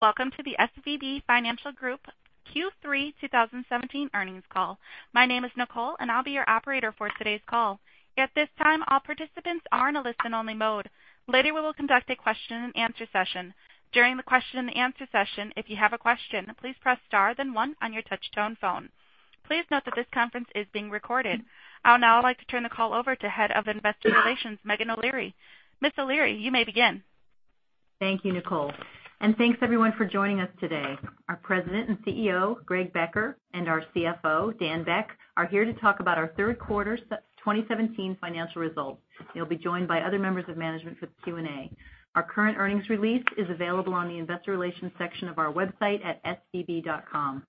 Welcome to the SVB Financial Group Q3 2017 earnings call. My name is Nicole and I'll be your operator for today's call. At this time, all participants are in a listen-only mode. Later, we will conduct a question and answer session. During the question and answer session, if you have a question, please press star then one on your touch-tone phone. Please note that this conference is being recorded. I would now like to turn the call over to Head of Investor Relations, Meghan O'Leary. Ms. O'Leary, you may begin. Thank you, Nicole. Thanks everyone for joining us today. Our President and CEO, Greg Becker, and our CFO, Daniel Beck, are here to talk about our third quarter 2017 financial results. They'll be joined by other members of management for the Q&A. Our current earnings release is available on the investor relations section of our website at svb.com.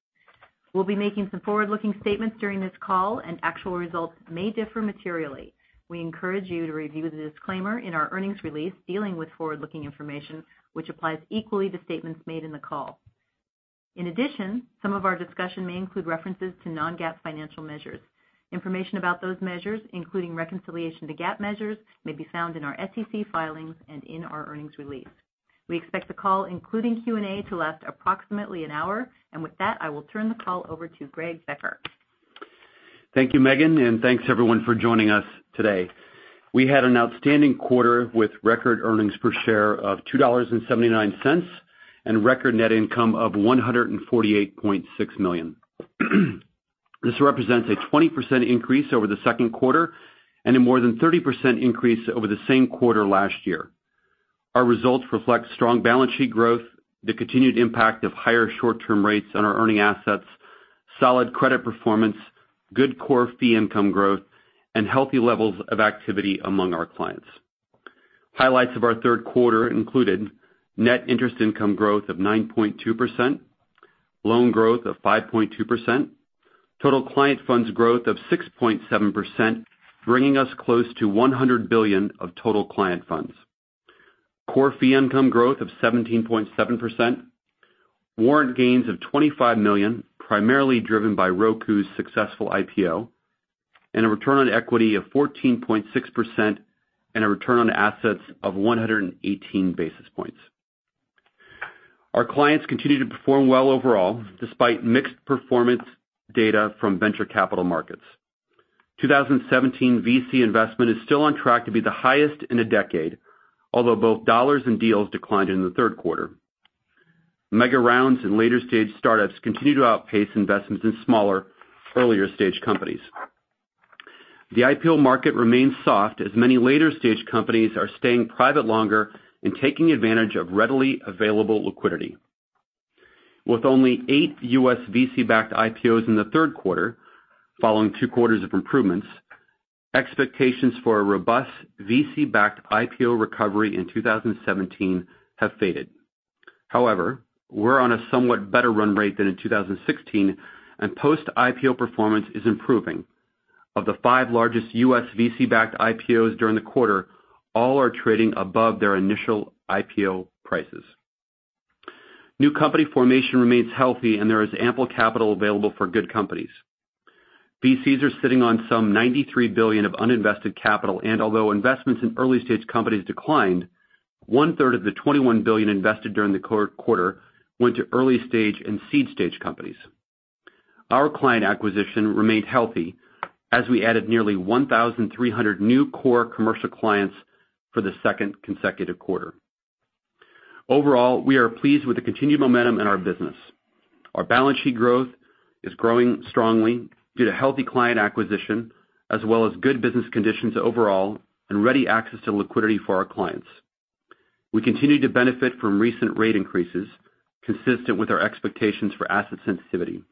We'll be making some forward-looking statements during this call. Actual results may differ materially. We encourage you to review the disclaimer in our earnings release dealing with forward-looking information, which applies equally to statements made in the call. In addition, some of our discussion may include references to non-GAAP financial measures. Information about those measures, including reconciliation to GAAP measures, may be found in our SEC filings and in our earnings release. We expect the call, including Q&A, to last approximately an hour. With that, I will turn the call over to Greg Becker. Thank you, Meghan. Thanks everyone for joining us today. We had an outstanding quarter with record earnings per share of $2.79 and record net income of $148.6 million. This represents a 20% increase over the second quarter and a more than 30% increase over the same quarter last year. Our results reflect strong balance sheet growth, the continued impact of higher short-term rates on our earning assets, solid credit performance, good core fee income growth, and healthy levels of activity among our clients. Highlights of our third quarter included net interest income growth of 9.2%, loan growth of 5.2%, total client funds growth of 6.7%, bringing us close to $100 billion of total client funds. Core fee income growth of 17.7%, warrant gains of $25 million, primarily driven by Roku's successful IPO. A return on equity of 14.6% and a return on assets of 118 basis points. Our clients continue to perform well overall, despite mixed performance data from venture capital markets. 2017 VC investment is still on track to be the highest in a decade, although both dollars and deals declined in the third quarter. Mega rounds and later-stage startups continue to outpace investments in smaller, earlier-stage companies. The IPO market remains soft as many later-stage companies are staying private longer and taking advantage of readily available liquidity. With only eight U.S. VC-backed IPOs in the third quarter, following two quarters of improvements, expectations for a robust VC-backed IPO recovery in 2017 have faded. We're on a somewhat better run rate than in 2016, and post-IPO performance is improving. Of the five largest U.S. VC-backed IPOs during the quarter, all are trading above their initial IPO prices. New company formation remains healthy, and there is ample capital available for good companies. VCs are sitting on some $93 billion of uninvested capital. Although investments in early-stage companies declined, one-third of the $21 billion invested during the quarter went to early stage and seed stage companies. Our client acquisition remained healthy as we added nearly 1,300 new core commercial clients for the second consecutive quarter. Overall, we are pleased with the continued momentum in our business. Our balance sheet growth is growing strongly due to healthy client acquisition as well as good business conditions overall and ready access to liquidity for our clients. We continue to benefit from recent rate increases consistent with our expectations for asset sensitivity.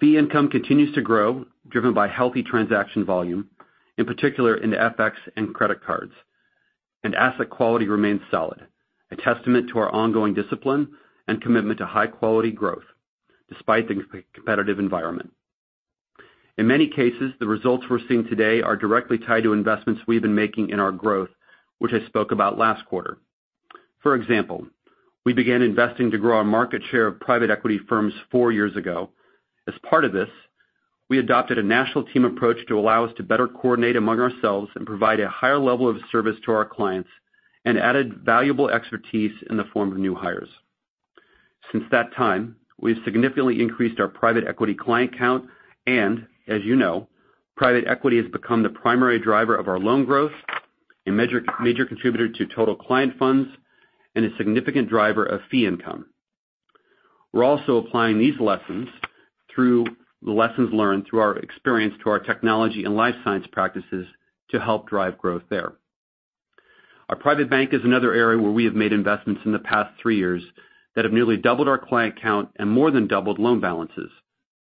Fee income continues to grow, driven by healthy transaction volume, in particular in the FX and credit cards. Asset quality remains solid, a testament to our ongoing discipline and commitment to high-quality growth despite the competitive environment. In many cases, the results we're seeing today are directly tied to investments we've been making in our growth, which I spoke about last quarter. For example, we began investing to grow our market share of private equity firms four years ago. As part of this, we adopted a national team approach to allow us to better coordinate among ourselves and provide a higher level of service to our clients and added valuable expertise in the form of new hires. Since that time, we've significantly increased our private equity client count. As you know, private equity has become the primary driver of our loan growth, a major contributor to total client funds, and a significant driver of fee income. We're also applying these lessons through the lessons learned through our experience to our technology and life science practices to help drive growth there. Our private bank is another area where we have made investments in the past three years that have nearly doubled our client count and more than doubled loan balances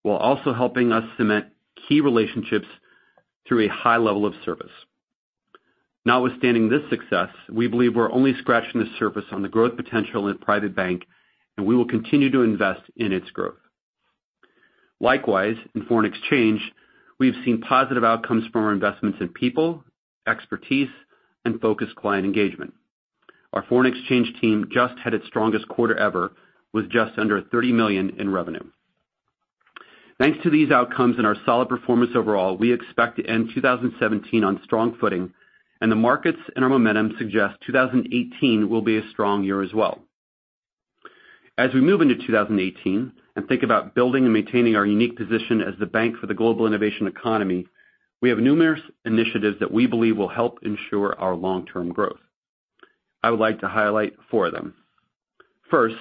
while also helping us cement key relationships through a high level of service. Notwithstanding this success, we believe we're only scratching the surface on the growth potential in the private bank. We will continue to invest in its growth. Likewise, in foreign exchange, we've seen positive outcomes from our investments in people, expertise, and focused client engagement. Our foreign exchange team just had its strongest quarter ever with just under $30 million in revenue. Thanks to these outcomes and our solid performance overall, we expect to end 2017 on strong footing. The markets and our momentum suggest 2018 will be a strong year as well. As we move into 2018 and think about building and maintaining our unique position as the bank for the global innovation economy, we have numerous initiatives that we believe will help ensure our long-term growth. I would like to highlight four of them. First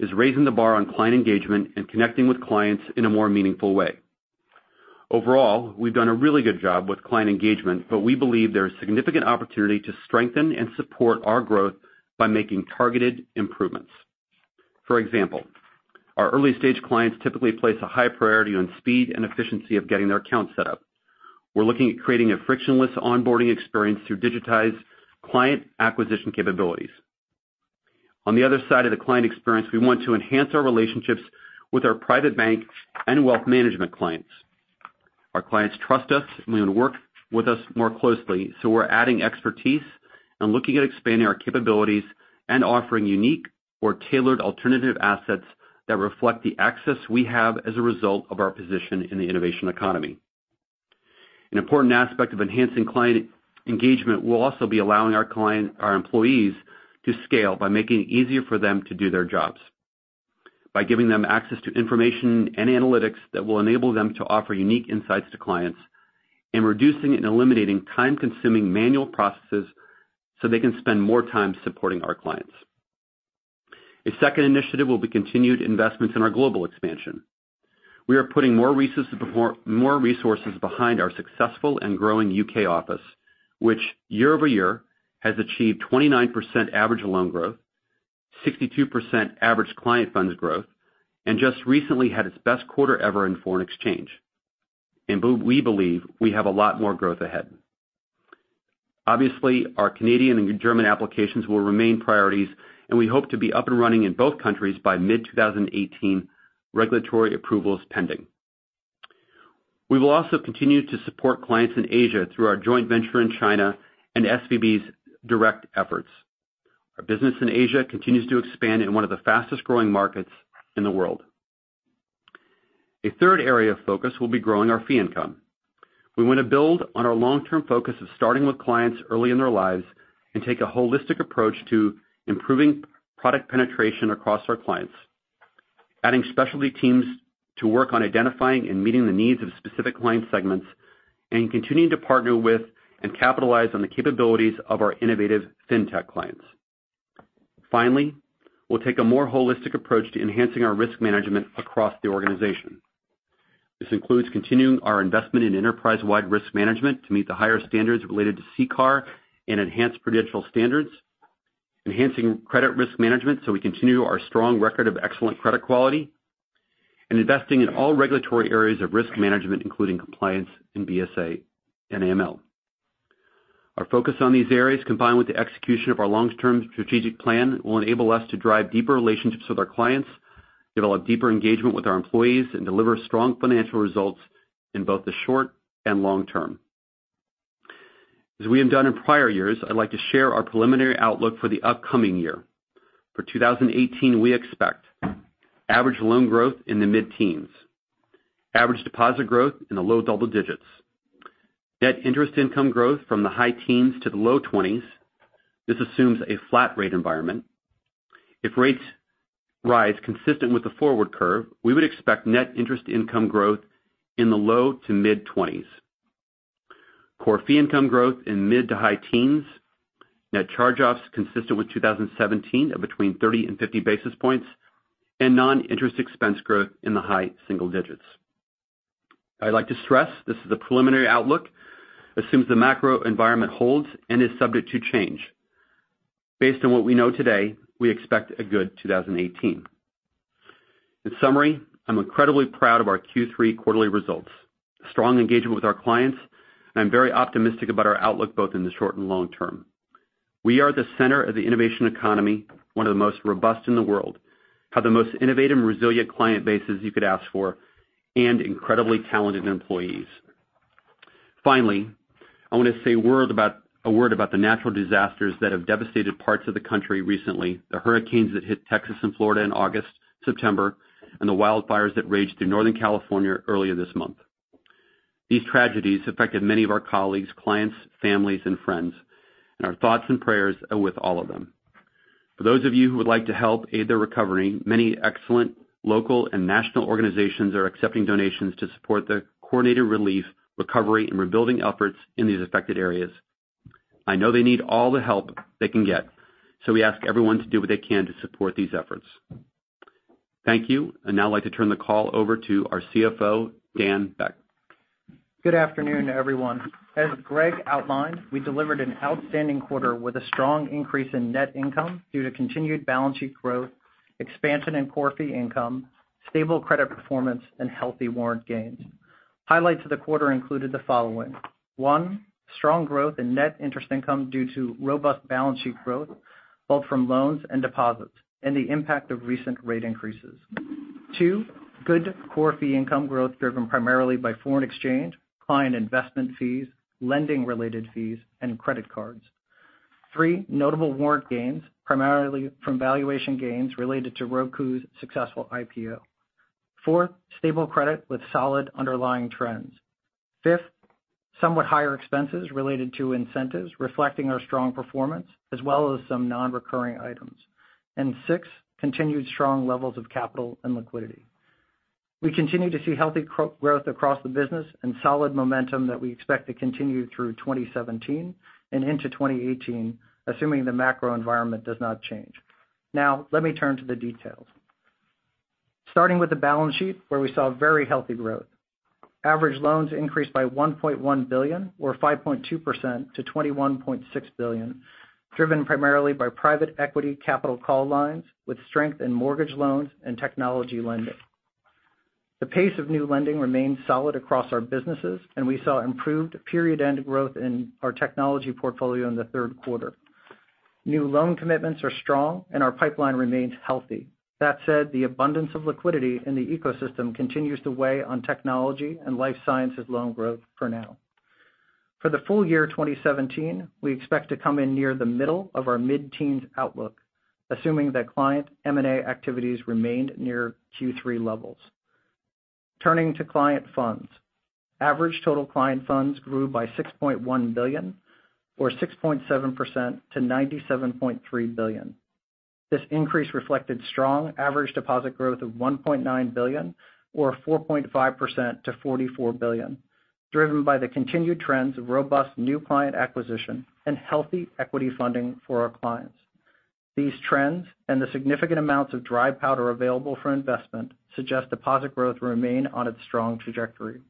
is raising the bar on client engagement and connecting with clients in a more meaningful way. Overall, we've done a really good job with client engagement, but we believe there is significant opportunity to strengthen and support our growth by making targeted improvements. For example, our early-stage clients typically place a high priority on speed and efficiency of getting their account set up. We're looking at creating a frictionless onboarding experience through digitized client acquisition capabilities. On the other side of the client experience, we want to enhance our relationships with our private bank and wealth management clients. Our clients trust us and they want to work with us more closely. We're adding expertise and looking at expanding our capabilities and offering unique or tailored alternative assets that reflect the access we have as a result of our position in the innovation economy. An important aspect of enhancing client engagement will also be allowing our employees to scale by making it easier for them to do their jobs, by giving them access to information and analytics that will enable them to offer unique insights to clients, and reducing and eliminating time-consuming manual processes so they can spend more time supporting our clients. A second initiative will be continued investments in our global expansion. We are putting more resources behind our successful and growing U.K. office, which year-over-year has achieved 29% average loan growth, 62% average client funds growth, and just recently had its best quarter ever in foreign exchange. We believe we have a lot more growth ahead. Obviously, our Canadian and German applications will remain priorities, and we hope to be up and running in both countries by mid-2018, regulatory approvals pending. We will also continue to support clients in Asia through our joint venture in China and SVB's direct efforts. Our business in Asia continues to expand in one of the fastest-growing markets in the world. A third area of focus will be growing our fee income. We want to build on our long-term focus of starting with clients early in their lives and take a holistic approach to improving product penetration across our clients, adding specialty teams to work on identifying and meeting the needs of specific client segments, and continuing to partner with and capitalize on the capabilities of our innovative fintech clients. Finally, we'll take a more holistic approach to enhancing our risk management across the organization. This includes continuing our investment in enterprise-wide risk management to meet the higher standards related to CCAR and Enhanced Prudential Standards, enhancing credit risk management so we continue our strong record of excellent credit quality, and investing in all regulatory areas of risk management, including compliance in BSA and AML. Our focus on these areas, combined with the execution of our long-term strategic plan, will enable us to drive deeper relationships with our clients, develop deeper engagement with our employees, and deliver strong financial results in both the short and long term. As we have done in prior years, I'd like to share our preliminary outlook for the upcoming year. For 2018, we expect average loan growth in the mid-teens, average deposit growth in the low double digits, net interest income growth from the high teens to the low twenties. This assumes a flat rate environment. If rates rise consistent with the forward curve, we would expect net interest income growth in the low to mid-twenties. Core fee income growth in mid to high teens. Net charge-offs consistent with 2017 of between 30 and 50 basis points. Non-interest expense growth in the high single digits. I'd like to stress this is a preliminary outlook, assumes the macro environment holds, and is subject to change. Based on what we know today, we expect a good 2018. In summary, I'm incredibly proud of our Q3 quarterly results. Strong engagement with our clients. I'm very optimistic about our outlook both in the short and long term. We are the center of the innovation economy, one of the most robust in the world, have the most innovative and resilient client bases you could ask for, and incredibly talented employees. I want to say a word about the natural disasters that have devastated parts of the country recently, the hurricanes that hit Texas and Florida in August, September, and the wildfires that raged through Northern California earlier this month. These tragedies affected many of our colleagues, clients, families, and friends. Our thoughts and prayers are with all of them. For those of you who would like to help aid their recovery, many excellent local and national organizations are accepting donations to support the coordinated relief, recovery, and rebuilding efforts in these affected areas. I know they need all the help they can get. We ask everyone to do what they can to support these efforts. Thank you. I'd now like to turn the call over to our CFO, Daniel Beck. Good afternoon, everyone. As Greg outlined, we delivered an outstanding quarter with a strong increase in net income due to continued balance sheet growth, expansion in core fee income, stable credit performance, and healthy warrant gains. Highlights of the quarter included the following. One, strong growth in net interest income due to robust balance sheet growth, both from loans and deposits, and the impact of recent rate increases. Two, good core fee income growth driven primarily by foreign exchange, client investment fees, lending-related fees, and credit cards. Three, notable warrant gains, primarily from valuation gains related to Roku's successful IPO. Fourth, stable credit with solid underlying trends. Fifth, somewhat higher expenses related to incentives reflecting our strong performance, as well as some non-recurring items. Six, continued strong levels of capital and liquidity. We continue to see healthy growth across the business and solid momentum that we expect to continue through 2017 and into 2018, assuming the macro environment does not change. Let me turn to the details. Starting with the balance sheet, where we saw very healthy growth. Average loans increased by $1.1 billion, or 5.2% to $21.6 billion, driven primarily by private equity capital call lines with strength in mortgage loans and technology lending. The pace of new lending remains solid across our businesses, and we saw improved period end growth in our technology portfolio in the third quarter. New loan commitments are strong, and our pipeline remains healthy. That said, the abundance of liquidity in the ecosystem continues to weigh on technology and life sciences loan growth for now. For the full year 2017, we expect to come in near the middle of our mid-teens outlook, assuming that client M&A activities remained near Q3 levels. Turning to client funds. Average total client funds grew by $6.1 billion or 6.7% to $97.3 billion. This increase reflected strong average deposit growth of $1.9 billion or 4.5% to $44 billion, driven by the continued trends of robust new client acquisition and healthy equity funding for our clients. These trends and the significant amounts of dry powder available for investment suggest deposit growth will remain on its strong trajectory.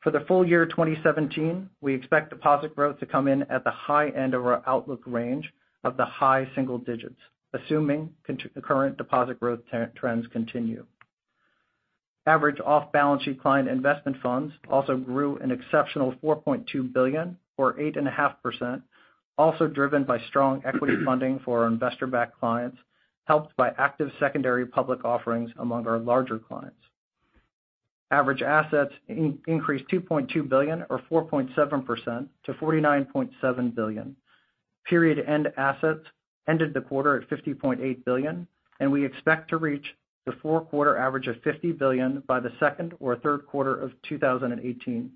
For the full year 2017, we expect deposit growth to come in at the high end of our outlook range of the high single digits, assuming current deposit growth trends continue. Average off-balance sheet client investment funds also grew an exceptional $4.2 billion or 8.5%, also driven by strong equity funding for our investor-backed clients, helped by active secondary public offerings among our larger clients. Average assets increased $2.2 billion or 4.7% to $49.7 billion. Period end assets ended the quarter at $50.8 billion, and we expect to reach the four-quarter average of $50 billion by the second or third quarter of 2018.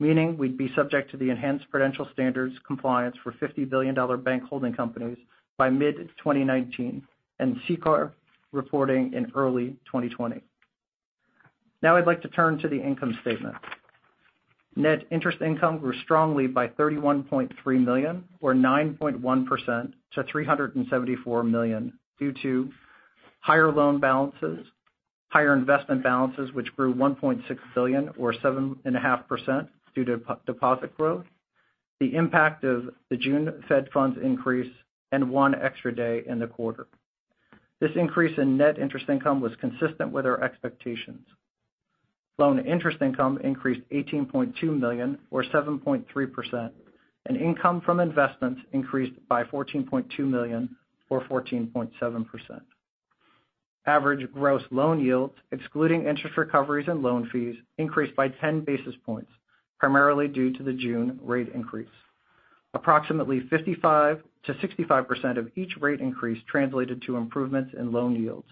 Meaning we'd be subject to the Enhanced Prudential Standards compliance for $50 billion bank holding companies by mid-2019 and CCAR reporting in early 2020. I'd like to turn to the income statement. Net interest income grew strongly by $31.3 million or 9.1% to $374 million due to higher loan balances, higher investment balances, which grew $1.6 billion or 7.5% due to deposit growth, the impact of the June Fed funds increase, and one extra day in the quarter. This increase in net interest income was consistent with our expectations. Loan interest income increased $18.2 million or 7.3%, and income from investments increased by $14.2 million or 14.7%. Average gross loan yields, excluding interest recoveries and loan fees, increased by 10 basis points, primarily due to the June rate increase. Approximately 55%-65% of each rate increase translated to improvements in loan yields,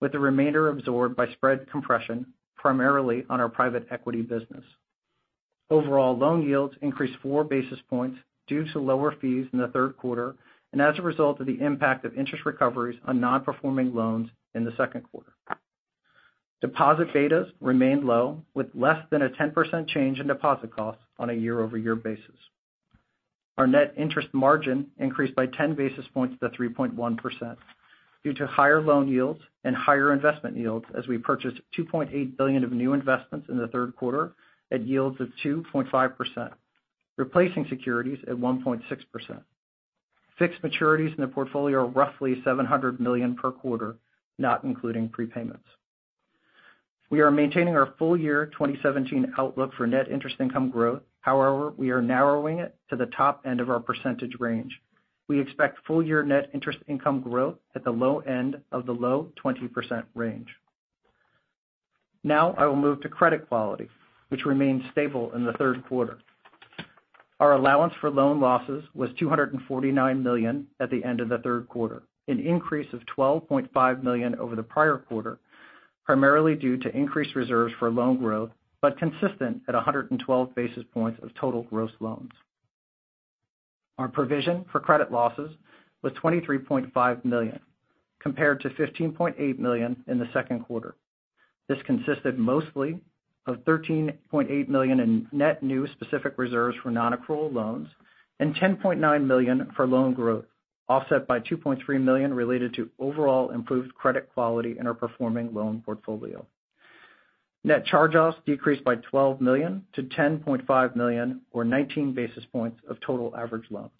with the remainder absorbed by spread compression, primarily on our private equity business. Overall, loan yields increased four basis points due to lower fees in the third quarter and as a result of the impact of interest recoveries on non-performing loans in the second quarter. Deposit betas remained low, with less than a 10% change in deposit costs on a year-over-year basis. Our net interest margin increased by 10 basis points to 3.1% due to higher loan yields and higher investment yields as we purchased $2.8 billion of new investments in the third quarter at yields of 2.5%, replacing securities at 1.6%. Fixed maturities in the portfolio are roughly $700 million per quarter, not including prepayments. We are maintaining our full year 2017 outlook for net interest income growth. However, we are narrowing it to the top end of our percentage range. We expect full year net interest income growth at the low end of the low 20% range. I will move to credit quality, which remains stable in the third quarter. Our allowance for loan losses was $249 million at the end of the third quarter, an increase of $12.5 million over the prior quarter, primarily due to increased reserves for loan growth, but consistent at 112 basis points of total gross loans. Our provision for credit losses was $23.5 million, compared to $15.8 million in the second quarter. This consisted mostly of $13.8 million in net new specific reserves for nonaccrual loans and $10.9 million for loan growth, offset by $2.3 million related to overall improved credit quality in our performing loan portfolio. Net charge-offs decreased by $12 million to $10.5 million or 19 basis points of total average loans.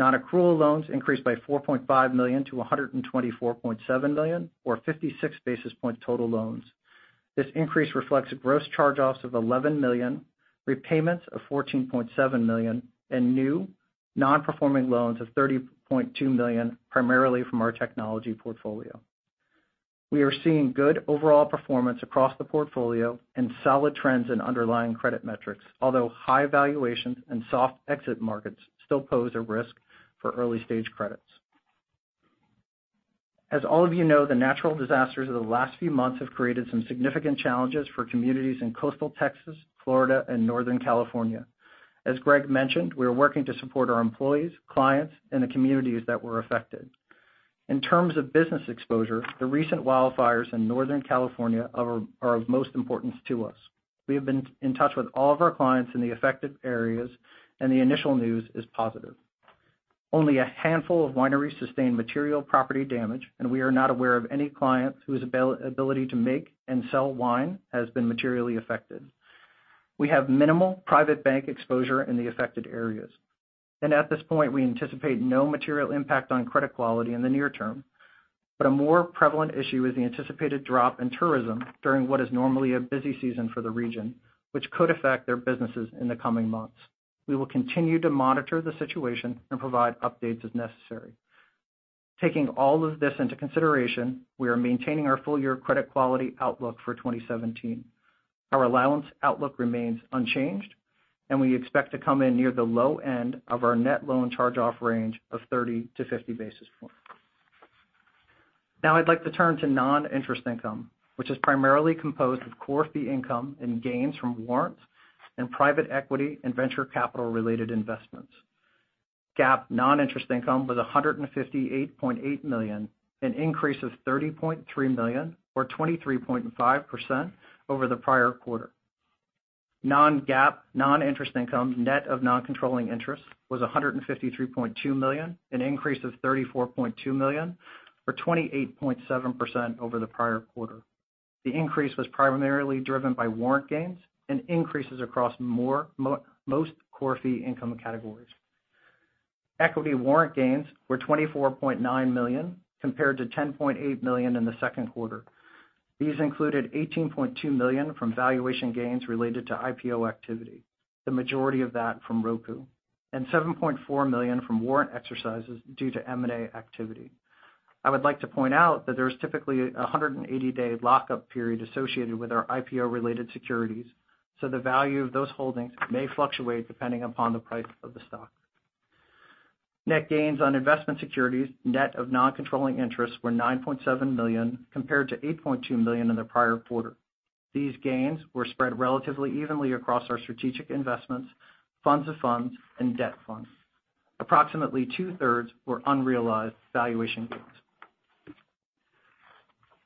Nonaccrual loans increased by $4.5 million to $124.7 million or 56 basis point total loans. This increase reflects gross charge-offs of $11 million, repayments of $14.7 million, and new non-performing loans of $30.2 million, primarily from our technology portfolio. We are seeing good overall performance across the portfolio and solid trends in underlying credit metrics, although high valuations and soft exit markets still pose a risk for early-stage credits. As all of you know, the natural disasters of the last few months have created some significant challenges for communities in coastal Texas, Florida, and Northern California. As Greg mentioned, we are working to support our employees, clients, and the communities that were affected. In terms of business exposure, the recent wildfires in Northern California are of most importance to us. We have been in touch with all of our clients in the affected areas, and the initial news is positive. Only a handful of wineries sustained material property damage, and we are not aware of any client whose ability to make and sell wine has been materially affected. We have minimal private bank exposure in the affected areas. At this point, we anticipate no material impact on credit quality in the near term. A more prevalent issue is the anticipated drop in tourism during what is normally a busy season for the region, which could affect their businesses in the coming months. We will continue to monitor the situation and provide updates as necessary. Taking all of this into consideration, we are maintaining our full-year credit quality outlook for 2017. Our allowance outlook remains unchanged, and we expect to come in near the low end of our net loan charge-off range of 30-50 basis points. Now I'd like to turn to non-interest income, which is primarily composed of core fee income and gains from warrants and private equity and venture capital-related investments. GAAP non-interest income was $158.8 million, an increase of $30.3 million or 23.5% over the prior quarter. Non-GAAP non-interest income, net of non-controlling interest, was $153.2 million, an increase of $34.2 million or 28.7% over the prior quarter. The increase was primarily driven by warrant gains and increases across most core fee income categories. Equity warrant gains were $24.9 million compared to $10.8 million in the second quarter. These included $18.2 million from valuation gains related to IPO activity, the majority of that from Roku, and $7.4 million from warrant exercises due to M&A activity. I would like to point out that there's typically a 180-day lockup period associated with our IPO-related securities, so the value of those holdings may fluctuate depending upon the price of the stock. Net gains on investment securities net of non-controlling interests were $9.7 million compared to $8.2 million in the prior quarter. These gains were spread relatively evenly across our strategic investments, funds of funds, and debt funds. Approximately two-thirds were unrealized valuation gains.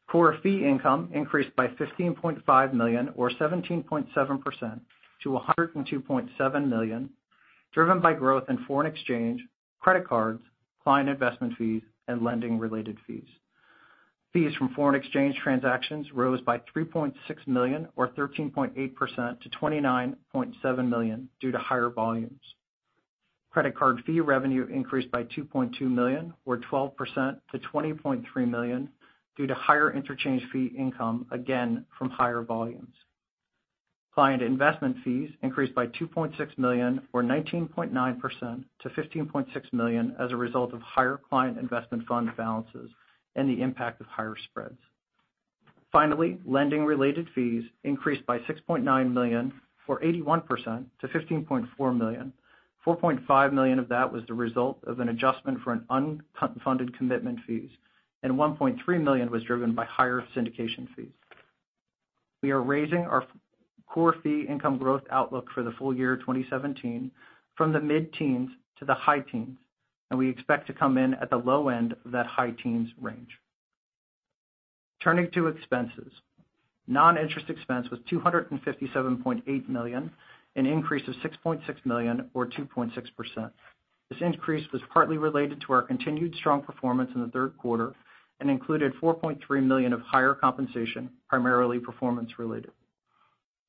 Core fee income increased by $15.5 million or 17.7% to $102.7 million, driven by growth in foreign exchange, credit cards, client investment fees, and lending-related fees. Fees from foreign exchange transactions rose by $3.6 million or 13.8% to $29.7 million due to higher volumes. Credit card fee revenue increased by $2.2 million or 12% to $20.3 million due to higher interchange fee income, again from higher volumes. Client investment fees increased by $2.6 million or 19.9% to $15.6 million as a result of higher client investment fund balances and the impact of higher spreads. Finally, lending-related fees increased by $6.9 million or 81% to $15.4 million. $4.5 million of that was the result of an adjustment for unfunded commitment fees, and $1.3 million was driven by higher syndication fees. We are raising our core fee income growth outlook for the full year 2017 from the mid-teens to the high teens, and we expect to come in at the low end of that high teens range. Turning to expenses. Non-interest expense was $257.8 million, an increase of $6.6 million or 2.6%. This increase was partly related to our continued strong performance in the third quarter and included $4.3 million of higher compensation, primarily performance related.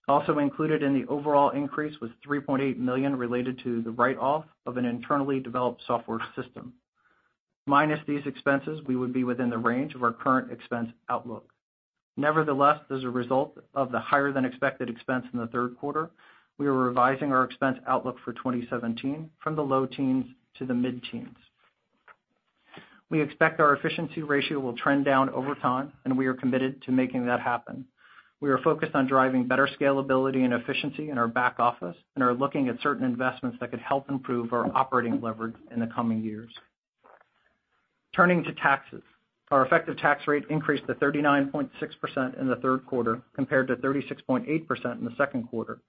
Included in the overall increase was $3.8 million related to the write-off of an internally developed software system. Minus these expenses, we would be within the range of our current expense outlook. As a result of the higher than expected expense in the third quarter, we are revising our expense outlook for 2017 from the low teens to the mid-teens. We expect our efficiency ratio will trend down over time, and we are committed to making that happen. We are focused on driving better scalability and efficiency in our back office and are looking at certain investments that could help improve our operating leverage in the coming years. Turning to taxes. Our effective tax rate increased to 39.6% in the third quarter compared to 36.8% in the second quarter.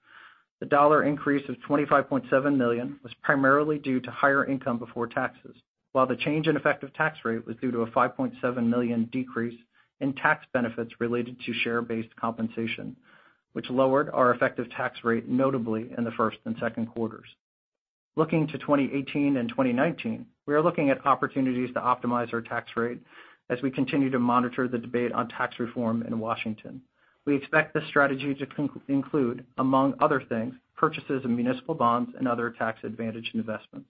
The dollar increase of $25.7 million was primarily due to higher income before taxes. While the change in effective tax rate was due to a $5.7 million decrease in tax benefits related to share-based compensation, which lowered our effective tax rate notably in the first and second quarters. Looking to 2018 and 2019, we are looking at opportunities to optimize our tax rate as we continue to monitor the debate on tax reform in Washington. We expect this strategy to include, among other things, purchases of municipal bonds and other tax-advantaged investments.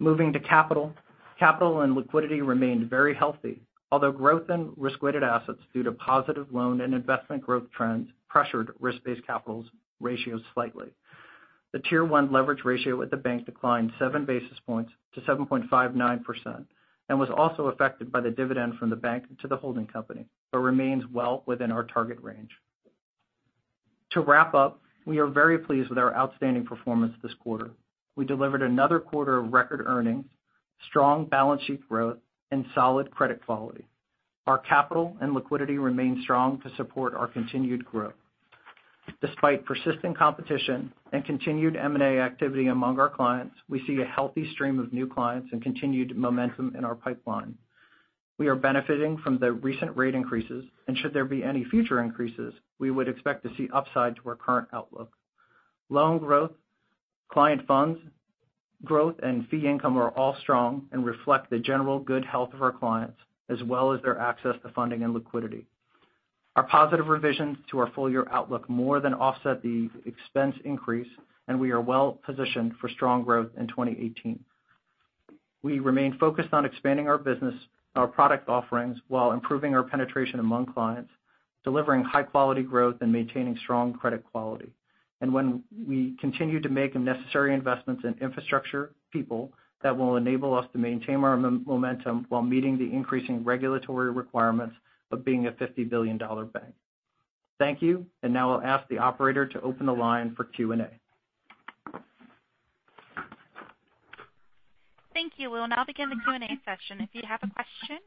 Moving to capital. Capital and liquidity remained very healthy, although growth in risk-weighted assets due to positive loan and investment growth trends pressured risk-based capital ratios slightly. The Tier 1 leverage ratio with the bank declined 7 basis points to 7.59%, and was also affected by the dividend from the bank to the holding company, but remains well within our target range. To wrap up, we are very pleased with our outstanding performance this quarter. We delivered another quarter of record earnings, strong balance sheet growth, and solid credit quality. Our capital and liquidity remain strong to support our continued growth. Despite persistent competition and continued M&A activity among our clients, we see a healthy stream of new clients and continued momentum in our pipeline. We are benefiting from the recent rate increases, and should there be any future increases, we would expect to see upside to our current outlook. Loan growth, client funds growth, and fee income are all strong and reflect the general good health of our clients, as well as their access to funding and liquidity. Our positive revisions to our full-year outlook more than offset the expense increase, and we are well-positioned for strong growth in 2018. We remain focused on expanding our business, our product offerings while improving our penetration among clients, delivering high-quality growth and maintaining strong credit quality. When we continue to make necessary investments in infrastructure, people, that will enable us to maintain our momentum while meeting the increasing regulatory requirements of being a $50 billion bank. Thank you. Now I'll ask the operator to open the line for Q&A. Thank you. We'll now begin the Q&A session. If you have a question,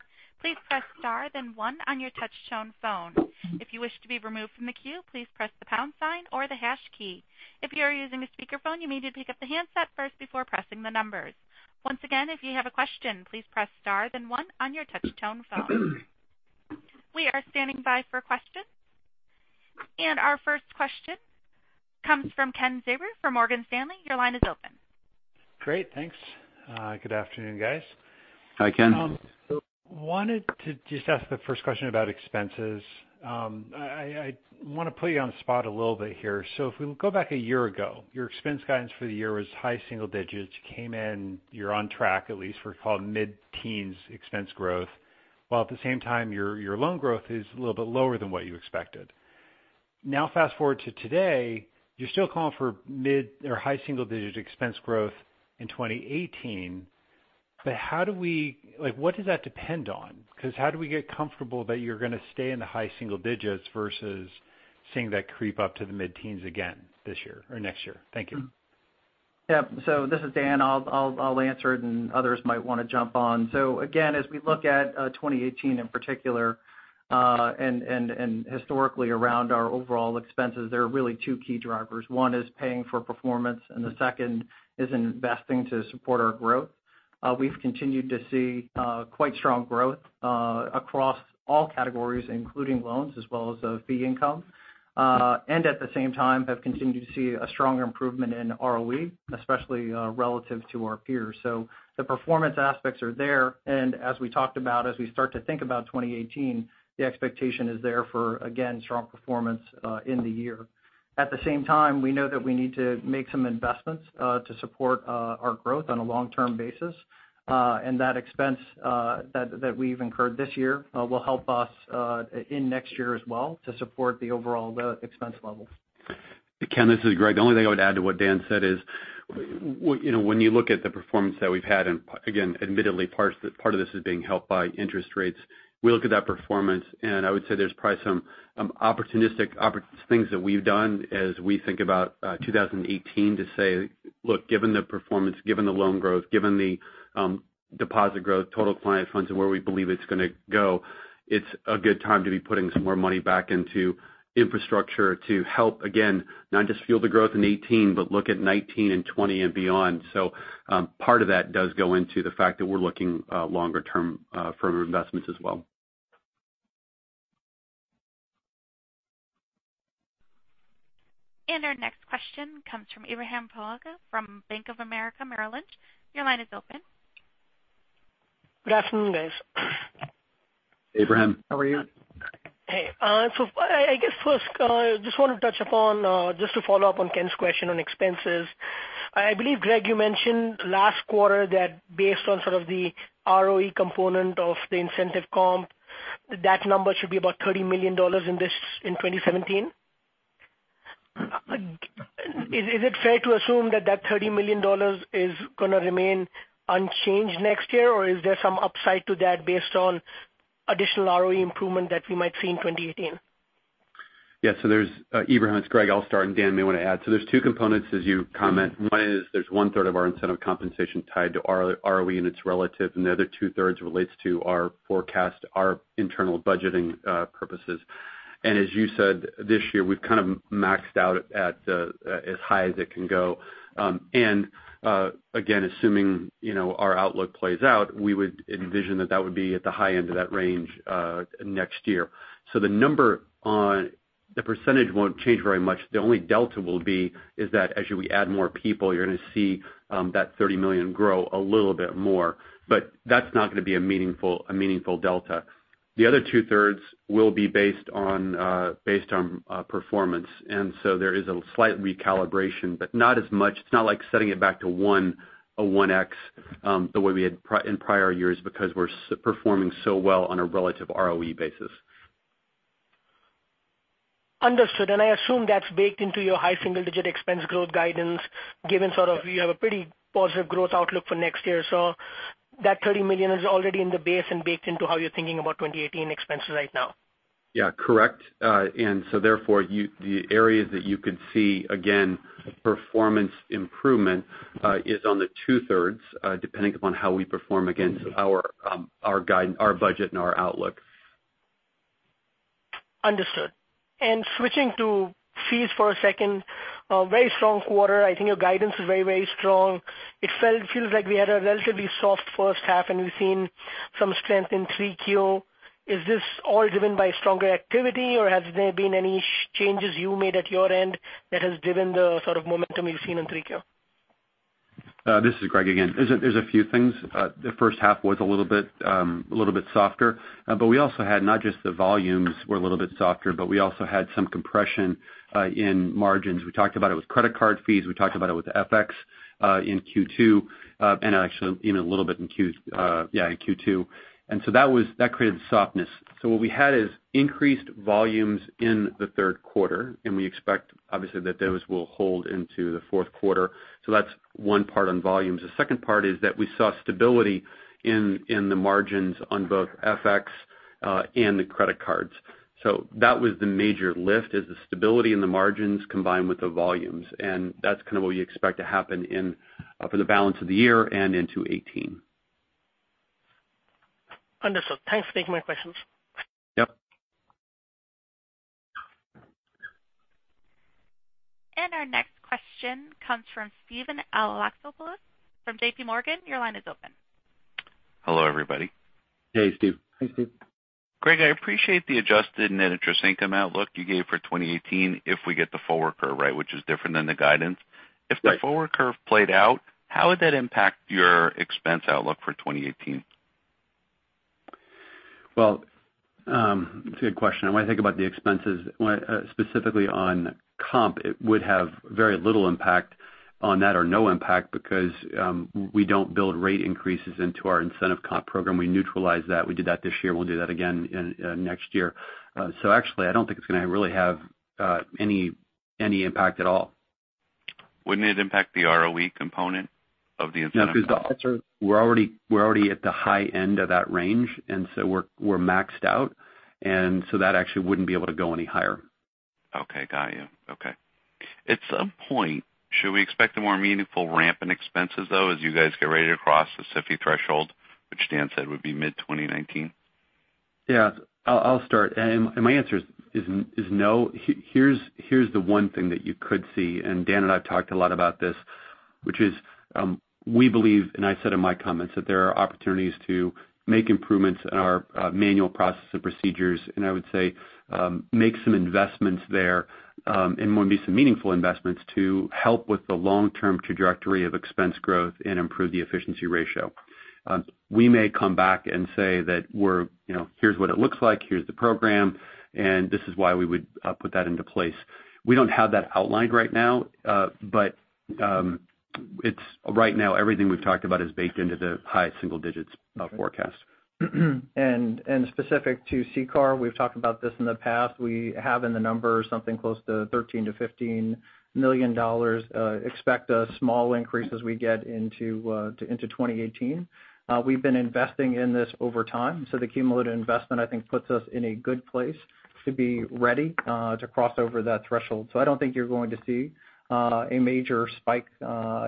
please press star then one on your touch tone phone. If you wish to be removed from the queue, please press the pound sign or the hash key. If you are using a speakerphone, you may need to pick up the handset first before pressing the numbers. Once again, if you have a question, please press star then one on your touch tone phone. We are standing by for questions. Our first question comes from Kenneth Zerbe from Morgan Stanley. Your line is open. Great. Thanks. Good afternoon, guys. Hi, Ken. Wanted to just ask the first question about expenses. I want to put you on the spot a little bit here. If we go back a year ago, your expense guidance for the year was high single digits. You came in, you're on track, at least for mid-teens expense growth, while at the same time your loan growth is a little bit lower than what you expected. Fast-forward to today, you're still calling for mid or high single-digit expense growth in 2018. What does that depend on? How do we get comfortable that you're going to stay in the high single digits versus seeing that creep up to the mid-teens again this year or next year? Thank you. Yeah. This is Dan. I'll answer it and others might want to jump on. Again, as we look at 2018 in particular, and historically around our overall expenses, there are really two key drivers. One is paying for performance, and the second is investing to support our growth. We've continued to see quite strong growth across all categories, including loans as well as fee income. At the same time, have continued to see a strong improvement in ROE, especially relative to our peers. The performance aspects are there. As we talked about, as we start to think about 2018, the expectation is there for, again, strong performance in the year. At the same time, we know that we need to make some investments to support our growth on a long-term basis. That expense that we've incurred this year will help us in next year as well to support the overall expense levels. Ken, this is Greg. The only thing I would add to what Dan said is when you look at the performance that we've had, again, admittedly part of this is being helped by interest rates. We look at that performance, I would say there's probably some opportunistic things that we've done as we think about 2018 to say, look, given the performance, given the loan growth, given the deposit growth, total client funds and where we believe it's going to go, it's a good time to be putting some more money back into infrastructure to help, again, not just fuel the growth in 2018, but look at 2019 and 2020 and beyond. Part of that does go into the fact that we're looking longer term for investments as well. Our next question comes from Ebrahim Poonawala from Bank of America Merrill Lynch. Your line is open. Good afternoon, guys. Ebrahim. How are you? Hey. I guess first, just want to touch upon just to follow up on Ken's question on expenses. I believe, Greg, you mentioned last quarter that based on sort of the ROE component of the incentive comp, that number should be about $30 million in 2017. Is it fair to assume that that $30 million is going to remain unchanged next year? Or is there some upside to that based on additional ROE improvement that we might see in 2018? Yeah. Ebrahim, it's Greg. I'll start and Dan may want to add. There's two components as you comment. One is there's one-third of our incentive compensation tied to ROE and it's relative, and the other two-thirds relates to our forecast, our internal budgeting purposes. As you said, this year, we've kind of maxed out at as high as it can go. Again, assuming our outlook plays out, we would envision that that would be at the high end of that range next year. The number on the % won't change very much. The only delta will be is that as we add more people, you're going to see that $30 million grow a little bit more. That's not going to be a meaningful delta. The other two-thirds will be based on performance. There is a slight recalibration, but not as much. It's not like setting it back to a 1x the way we had in prior years because we're performing so well on a relative ROE basis. Understood. I assume that's baked into your high single-digit expense growth guidance, given sort of you have a pretty positive growth outlook for next year. That $30 million is already in the base and baked into how you're thinking about 2018 expenses right now. Yeah. Correct. Therefore, the areas that you could see, again, performance improvement is on the two-thirds depending upon how we perform against our budget and our outlook. Understood. Switching to fees for a second. Very strong quarter. I think your guidance is very strong. It feels like we had a relatively soft first half, and we've seen some strength in Q3. Is this all driven by stronger activity, or has there been any changes you made at your end that has driven the sort of momentum we've seen in Q3? This is Greg again. There's a few things. The first half was a little bit softer. We also had not just the volumes were a little bit softer, but we also had some compression in margins. We talked about it with credit card fees. We talked about it with FX in Q2 and actually even a little bit in Q2. That created softness. What we had is increased volumes in the third quarter, and we expect obviously that those will hold into the fourth quarter. That's one part on volumes. The second part is that we saw stability in the margins on both FX and the credit cards. That was the major lift is the stability in the margins combined with the volumes. That's kind of what we expect to happen for the balance of the year and into 2018. Understood. Thanks. Taking my questions. Yep. Our next question comes from Steven Alexopoulos from JPMorgan. Your line is open. Hello, everybody. Hey, Steve. Hi, Steve. Greg, I appreciate the adjusted net interest income outlook you gave for 2018 if we get the forward curve right, which is different than the guidance. If the forward curve played out, how would that impact your expense outlook for 2018? Well, it's a good question. When I think about the expenses specifically on comp, it would have very little impact on that or no impact because we don't build rate increases into our incentive comp program. We neutralize that. We did that this year. We'll do that again next year. Actually, I don't think it's going to really have any impact at all. Wouldn't it impact the ROE component of the incentive? No, because we're already at the high end of that range, and so we're maxed out, and so that actually wouldn't be able to go any higher. Okay. Got you. Okay. At some point, should we expect a more meaningful ramp in expenses, though, as you guys get ready to cross the SIFI threshold, which Dan said would be mid-2019? Yeah. I'll start. My answer is no. Here's the one thing that you could see, Dan and I have talked a lot about this, which is we believe, I said in my comments, that there are opportunities to make improvements in our manual process and procedures I would say make some investments there more be some meaningful investments to help with the long-term trajectory of expense growth and improve the efficiency ratio. We may come back and say that here's what it looks like, here's the program, this is why we would put that into place. We don't have that outlined right now. Right now everything we've talked about is baked into the high single digits forecast. Specific to CCAR, we've talked about this in the past. We have in the numbers something close to $13 million to $15 million. Expect a small increase as we get into 2018. We've been investing in this over time, the cumulative investment I think puts us in a good place to be ready to cross over that threshold. I don't think you're going to see a major spike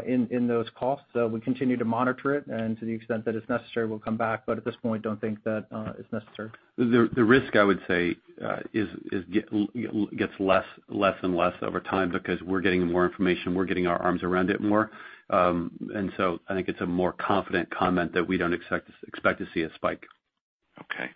in those costs. We continue to monitor it, to the extent that it's necessary, we'll come back, at this point don't think that it's necessary. The risk, I would say, gets less and less over time because we're getting more information. We're getting our arms around it more. I think it's a more confident comment that we don't expect to see a spike. Okay.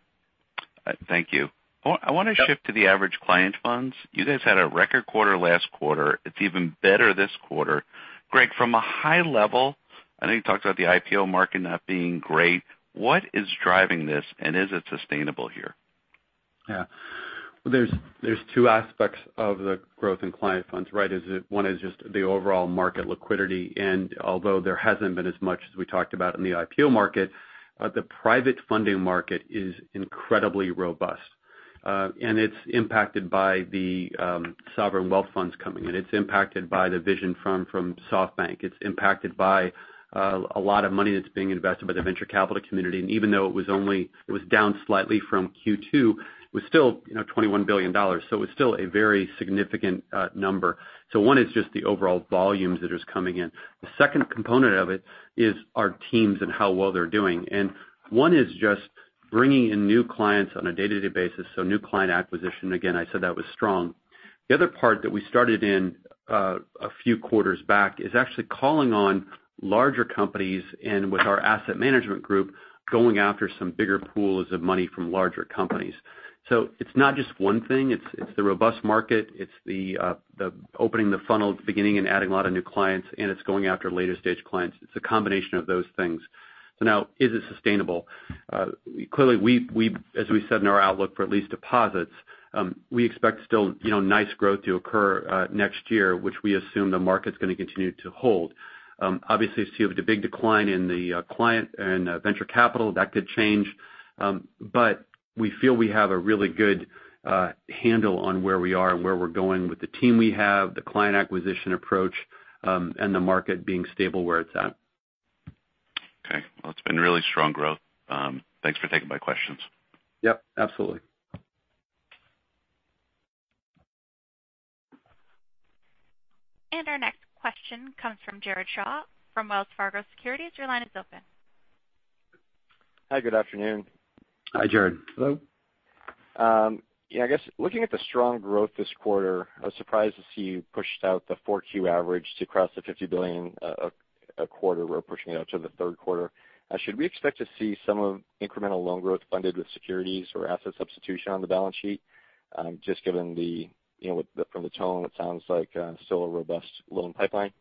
Thank you. I want to shift to the average client funds. You guys had a record quarter last quarter. It's even better this quarter. Greg, from a high level, I know you talked about the IPO market not being great. What is driving this, and is it sustainable here? Yeah. There's two aspects of the growth in client funds, right? One is just the overall market liquidity. Although there hasn't been as much as we talked about in the IPO market, the private funding market is incredibly robust. It's impacted by the sovereign wealth funds coming in. It's impacted by the vision from SoftBank. It's impacted by a lot of money that's being invested by the venture capital community. Even though it was down slightly from Q2, it was still $21 billion. It's still a very significant number. One is just the overall volumes that is coming in. The second component of it is our teams and how well they're doing. One is just bringing in new clients on a day-to-day basis, so new client acquisition. Again, I said that was strong. The other part that we started in a few quarters back is actually calling on larger companies and with our asset management group going after some bigger pools of money from larger companies. It's not just one thing. It's the robust market. It's the opening the funnel at the beginning and adding a lot of new clients, and it's going after later-stage clients. It's a combination of those things. Now is it sustainable? Clearly, as we said in our outlook for lease deposits we expect still nice growth to occur next year, which we assume the market's going to continue to hold. Obviously, if you have a big decline in the client and venture capital, that could change We feel we have a really good handle on where we are and where we're going with the team we have, the client acquisition approach, and the market being stable where it's at. Okay. Well, it's been really strong growth. Thanks for taking my questions. Yep, absolutely. Our next question comes from Jared Shaw from Wells Fargo Securities. Your line is open. Hi, good afternoon. Hi, Jared. Hello. Yeah, I guess, looking at the strong growth this quarter, I was surprised to see you pushed out the 4Q average to cross the $50 billion a quarter. We're pushing it out to the third quarter. Should we expect to see some of incremental loan growth funded with securities or asset substitution on the balance sheet, just given from the tone, it sounds like still a robust loan pipeline?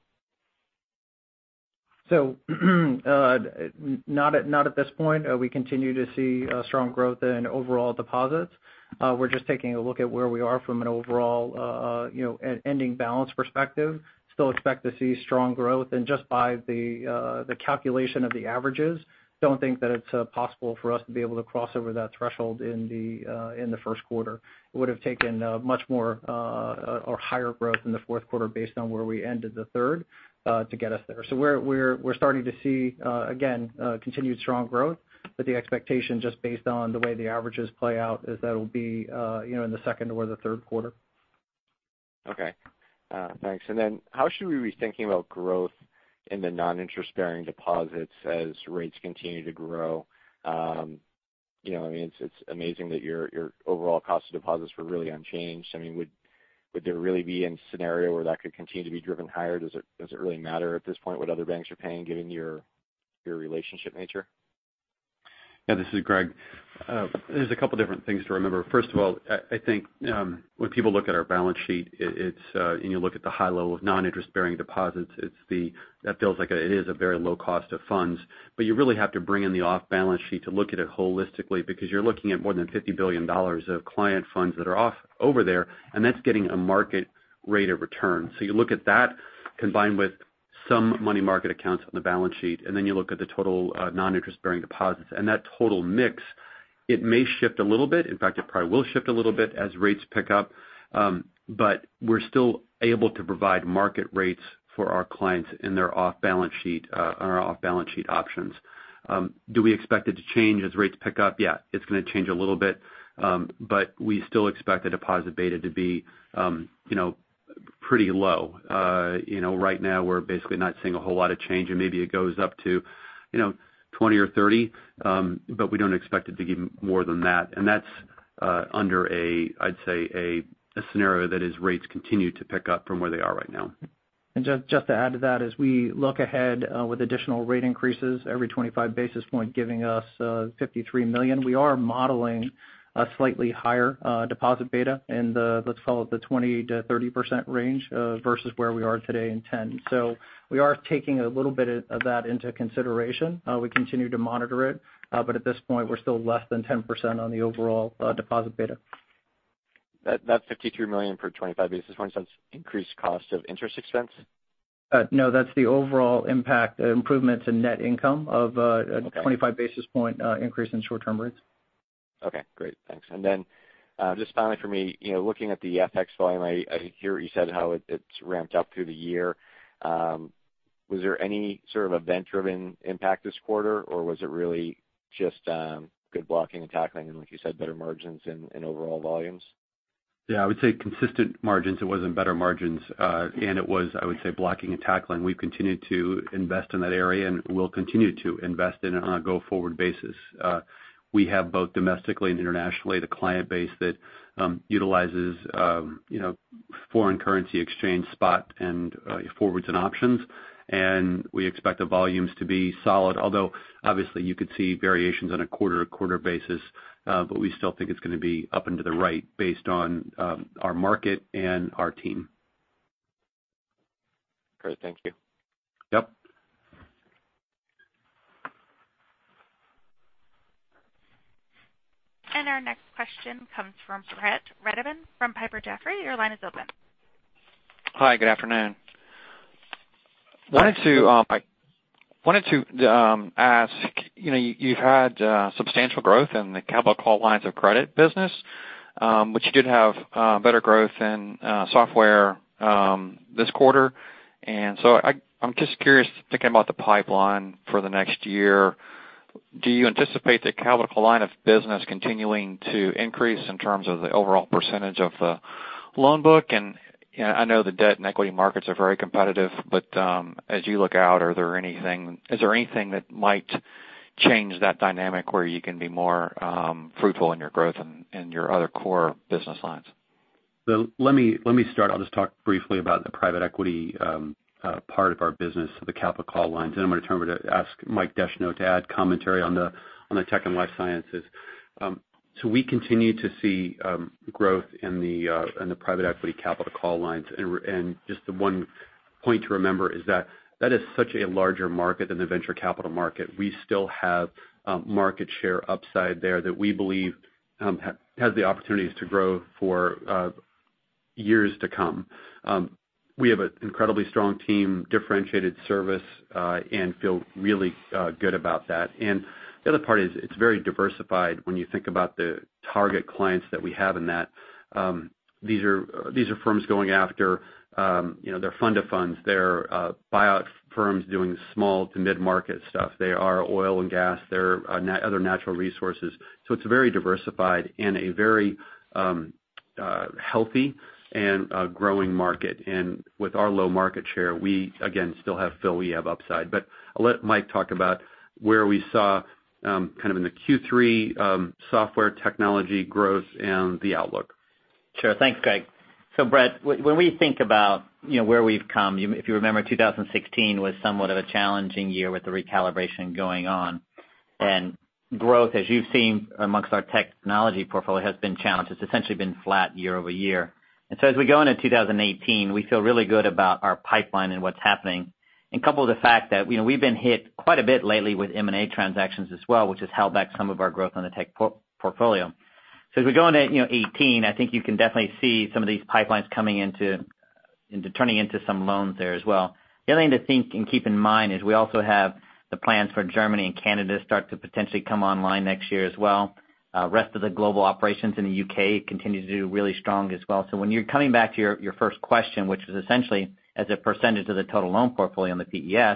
Not at this point. We continue to see strong growth in overall deposits. We're just taking a look at where we are from an overall ending balance perspective. Still expect to see strong growth. Just by the calculation of the averages, don't think that it's possible for us to be able to cross over that threshold in the first quarter. It would've taken much more or higher growth in the fourth quarter based on where we ended the third to get us there. We're starting to see, again, continued strong growth, but the expectation, just based on the way the averages play out, is that'll be in the second or the third quarter. Okay. Thanks. How should we be thinking about growth in the non-interest-bearing deposits as rates continue to grow? It's amazing that your overall cost of deposits were really unchanged. Would there really be any scenario where that could continue to be driven higher? Does it really matter at this point what other banks are paying, given your relationship nature? Yeah, this is Greg. There's a couple different things to remember. First of all, I think when people look at our balance sheet, you look at the high level of non-interest-bearing deposits, that feels like it is a very low cost of funds. You really have to bring in the off-balance sheet to look at it holistically because you're looking at more than $50 billion of client funds that are over there, and that's getting a market rate of return. You look at that combined with some money market accounts on the balance sheet, you look at the total non-interest-bearing deposits. That total mix, it may shift a little bit. In fact, it probably will shift a little bit as rates pick up. We're still able to provide market rates for our clients in our off-balance sheet options. Do we expect it to change as rates pick up? Yeah, it's going to change a little bit. We still expect the deposit beta to be pretty low. Right now, we're basically not seeing a whole lot of change, maybe it goes up to 20% or 30%. We don't expect it to be more than that. That's under a, I'd say, a scenario that is rates continue to pick up from where they are right now. Just to add to that, as we look ahead with additional rate increases every 25 basis points giving us $53 million, we are modeling a slightly higher deposit beta in the, let's call it, the 20%-30% range versus where we are today in 10%. We are taking a little bit of that into consideration. We continue to monitor it. At this point, we're still less than 10% on the overall deposit beta. That $53 million per 25 basis points is increased cost of interest expense? No, that's the overall impact improvements in net income of a. Okay 25 basis point increase in short-term rates. Okay, great. Thanks. Then just finally for me, looking at the FX volume, I hear what you said how it's ramped up through the year. Was there any sort of event-driven impact this quarter, or was it really just good blocking and tackling and like you said, better margins and overall volumes? Yeah, I would say consistent margins. It wasn't better margins. It was, I would say, blocking and tackling. We've continued to invest in that area and will continue to invest in it on a go-forward basis. We have both domestically and internationally the client base that utilizes foreign currency exchange spot and forwards and options. We expect the volumes to be solid, although obviously you could see variations on a quarter-to-quarter basis. We still think it's going to be up and to the right based on our market and our team. Great. Thank you. Yep. Our next question comes from Brett Redepenning from Piper Jaffray. Your line is open. Hi, good afternoon. Wanted to ask, you've had substantial growth in the capital call lines of credit business. You did have better growth in software this quarter. I'm just curious, thinking about the pipeline for the next year, do you anticipate the capital call line of business continuing to increase in terms of the overall percentage of the loan book? I know the debt and equity markets are very competitive, but as you look out, is there anything that might change that dynamic where you can be more fruitful in your growth in your other core business lines? Let me start. I'll just talk briefly about the private equity part of our business, the capital call lines. I'm going to turn it over to ask Michael Descheneaux to add commentary on the tech and life sciences. We continue to see growth in the private equity capital call lines. Just the one point to remember is that is such a larger market than the venture capital market. We still have market share upside there that we believe has the opportunities to grow for years to come. We have an incredibly strong team, differentiated service, and feel really good about that. The other part is it's very diversified when you think about the target clients that we have in that. These are firms going after their fund of funds. They're buyout firms doing small-to-mid-market stuff. They are oil and gas. They're other natural resources. It's very diversified and a very healthy and growing market. With our low market share, we again, still feel we have upside. I'll let Mike talk about where we saw in the Q3 software technology growth and the outlook. Sure. Thanks, Greg. Brett, when we think about where we've come, if you remember, 2016 was somewhat of a challenging year with the recalibration going on. Growth, as you've seen amongst our technology portfolio, has been challenged. It's essentially been flat year-over-year. As we go into 2018, we feel really good about our pipeline and what's happening. Coupled with the fact that we've been hit quite a bit lately with M&A transactions as well, which has held back some of our growth on the tech portfolio. As we go into 2018, I think you can definitely see some of these pipelines coming into turning into some loans there as well. The other thing to think and keep in mind is we also have the plans for Germany and Canada start to potentially come online next year as well. Rest of the global operations in the U.K. continue to do really strong as well. When you're coming back to your first question, which was essentially as a percentage of the total loan portfolio on the PE,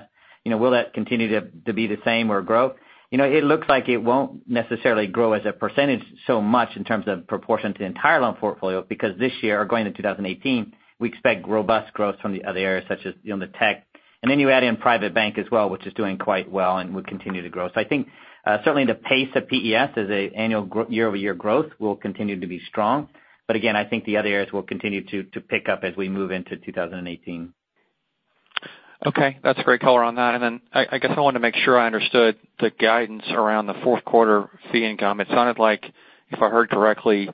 will that continue to be the same or grow? It looks like it won't necessarily grow as a percentage so much in terms of proportion to the entire loan portfolio because this year, or going into 2018, we expect robust growth from the other areas such as the tech. Then you add in private bank as well, which is doing quite well and would continue to grow. I think certainly the pace of PE as an annual year-over-year growth will continue to be strong. Again, I think the other areas will continue to pick up as we move into 2018. Okay. That's great color on that. I guess I wanted to make sure I understood the guidance around the fourth quarter fee income. It sounded like, if I heard correctly,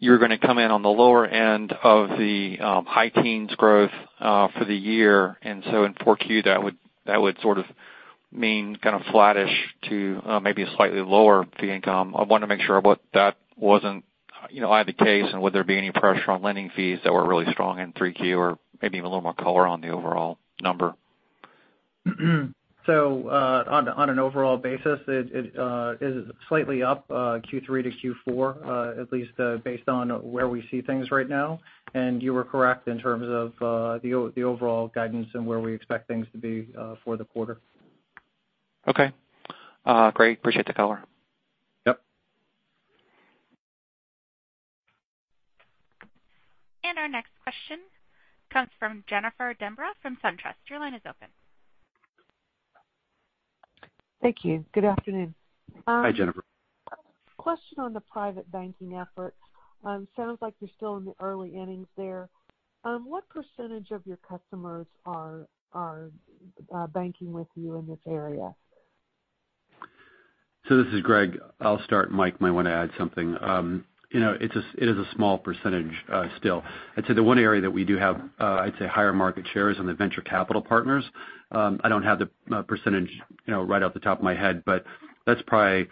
you're going to come in on the lower end of the high teens growth for the year. In 4Q, that would sort of mean kind of flattish to maybe a slightly lower fee income. I want to make sure that wasn't either case, and would there be any pressure on lending fees that were really strong in 3Q or maybe even a little more color on the overall number. On an overall basis, it is slightly up Q3 to Q4, at least based on where we see things right now. You were correct in terms of the overall guidance and where we expect things to be for the quarter. Okay. Great. Appreciate the color. Yep. Our next question comes from Jennifer Demba from SunTrust. Your line is open. Thank you. Good afternoon. Hi, Jennifer. Question on the private banking effort. Sounds like you're still in the early innings there. What percentage of your customers are banking with you in this area? This is Greg. I'll start, Mike might want to add something. It is a small percentage still. I'd say the one area that we do have higher market share is on the venture capital partners. I don't have the percentage right off the top of my head, but that's probably,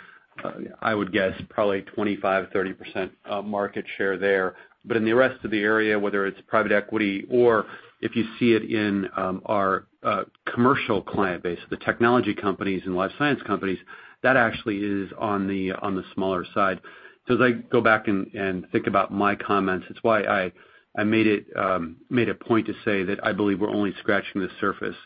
I would guess, 25%-30% market share there. In the rest of the area, whether it's private equity or if you see it in our commercial client base, the technology companies and life science companies, that actually is on the smaller side. As I go back and think about my comments, it's why I made a point to say that I believe we're only scratching the surface.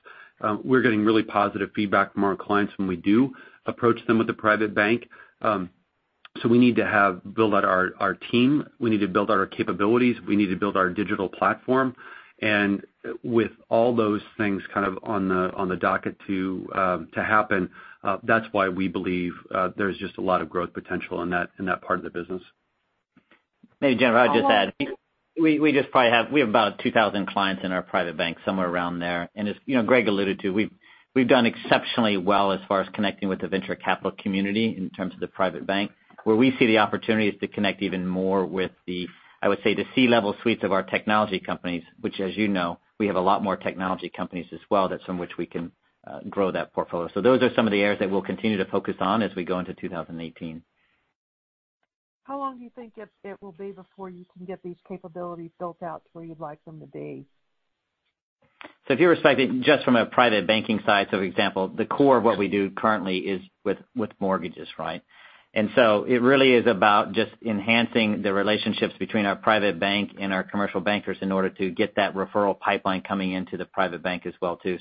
We're getting really positive feedback from our clients when we do approach them with the private bank. We need to build out our team. We need to build out our capabilities. We need to build our digital platform. With all those things kind of on the docket to happen, that's why we believe there's just a lot of growth potential in that part of the business. Maybe Jennifer, I'll just add, we have about 2,000 clients in our private bank, somewhere around there. As Greg alluded to, we've done exceptionally well as far as connecting with the venture capital community in terms of the private bank. Where we see the opportunity is to connect even more with the, I would say, the C-level suites of our technology companies, which as you know, we have a lot more technology companies as well, that's from which we can grow that portfolio. Those are some of the areas that we'll continue to focus on as we go into 2018. How long do you think it will be before you can get these capabilities built out to where you'd like them to be? If you were expecting just from a private banking side, for example, the core of what we do currently is with mortgages, right? It really is about just enhancing the relationships between our private bank and our commercial bankers in order to get that referral pipeline coming into the private bank as well too.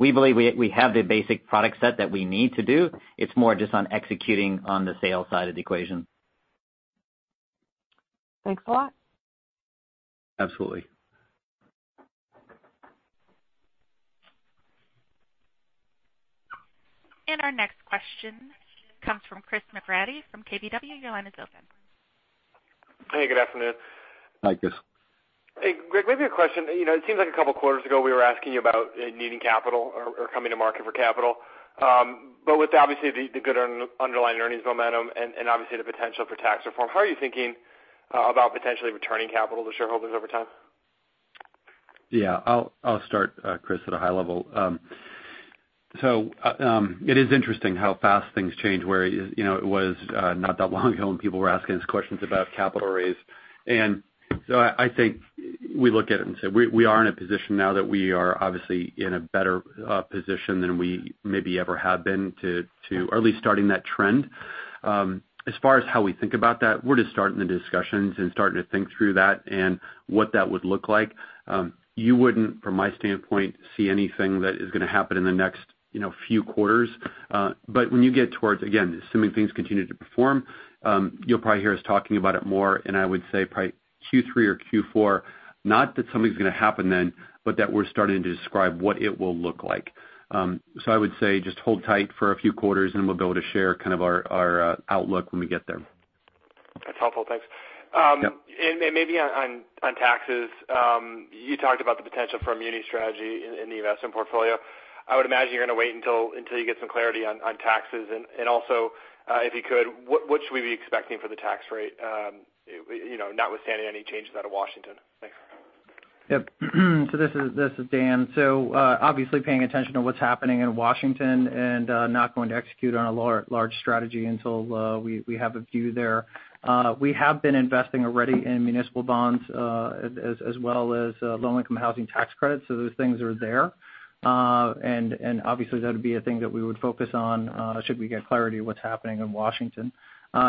We believe we have the basic product set that we need to do. It's more just on executing on the sales side of the equation. Thanks a lot. Absolutely. Our next question comes from Christopher McGratty from KBW. Your line is open. Hey, good afternoon. Hi, Chris. Hey, Greg, maybe a question. It seems like a couple of quarters ago, we were asking you about needing capital or coming to market for capital. With obviously the good underlying earnings momentum and obviously the potential for tax reform, how are you thinking about potentially returning capital to shareholders over time? Yeah. I'll start, Chris, at a high level. It is interesting how fast things change, where it was not that long ago when people were asking us questions about capital raise. I think we look at it and say, we are in a position now that we are obviously in a better position than we maybe ever have been, or at least starting that trend. As far as how we think about that, we're just starting the discussions and starting to think through that and what that would look like. You wouldn't, from my standpoint, see anything that is going to happen in the next few quarters. When you get towards, again, assuming things continue to perform, you'll probably hear us talking about it more. I would say probably Q3 or Q4, not that something's going to happen then, but that we're starting to describe what it will look like. I would say just hold tight for a few quarters and we'll be able to share kind of our outlook when we get there. That's helpful. Thanks. Yep. Maybe on taxes, you talked about the potential for a muni strategy in the investment portfolio. I would imagine you're going to wait until you get some clarity on taxes. Also, if you could, what should we be expecting for the tax rate, notwithstanding any changes out of Washington? Thanks. Yep. This is Dan. Obviously paying attention to what's happening in Washington and not going to execute on a large strategy until we have a view there. We have been investing already in municipal bonds, as well as low-income housing tax credits. Those things are there. Obviously that would be a thing that we would focus on, should we get clarity of what's happening in Washington.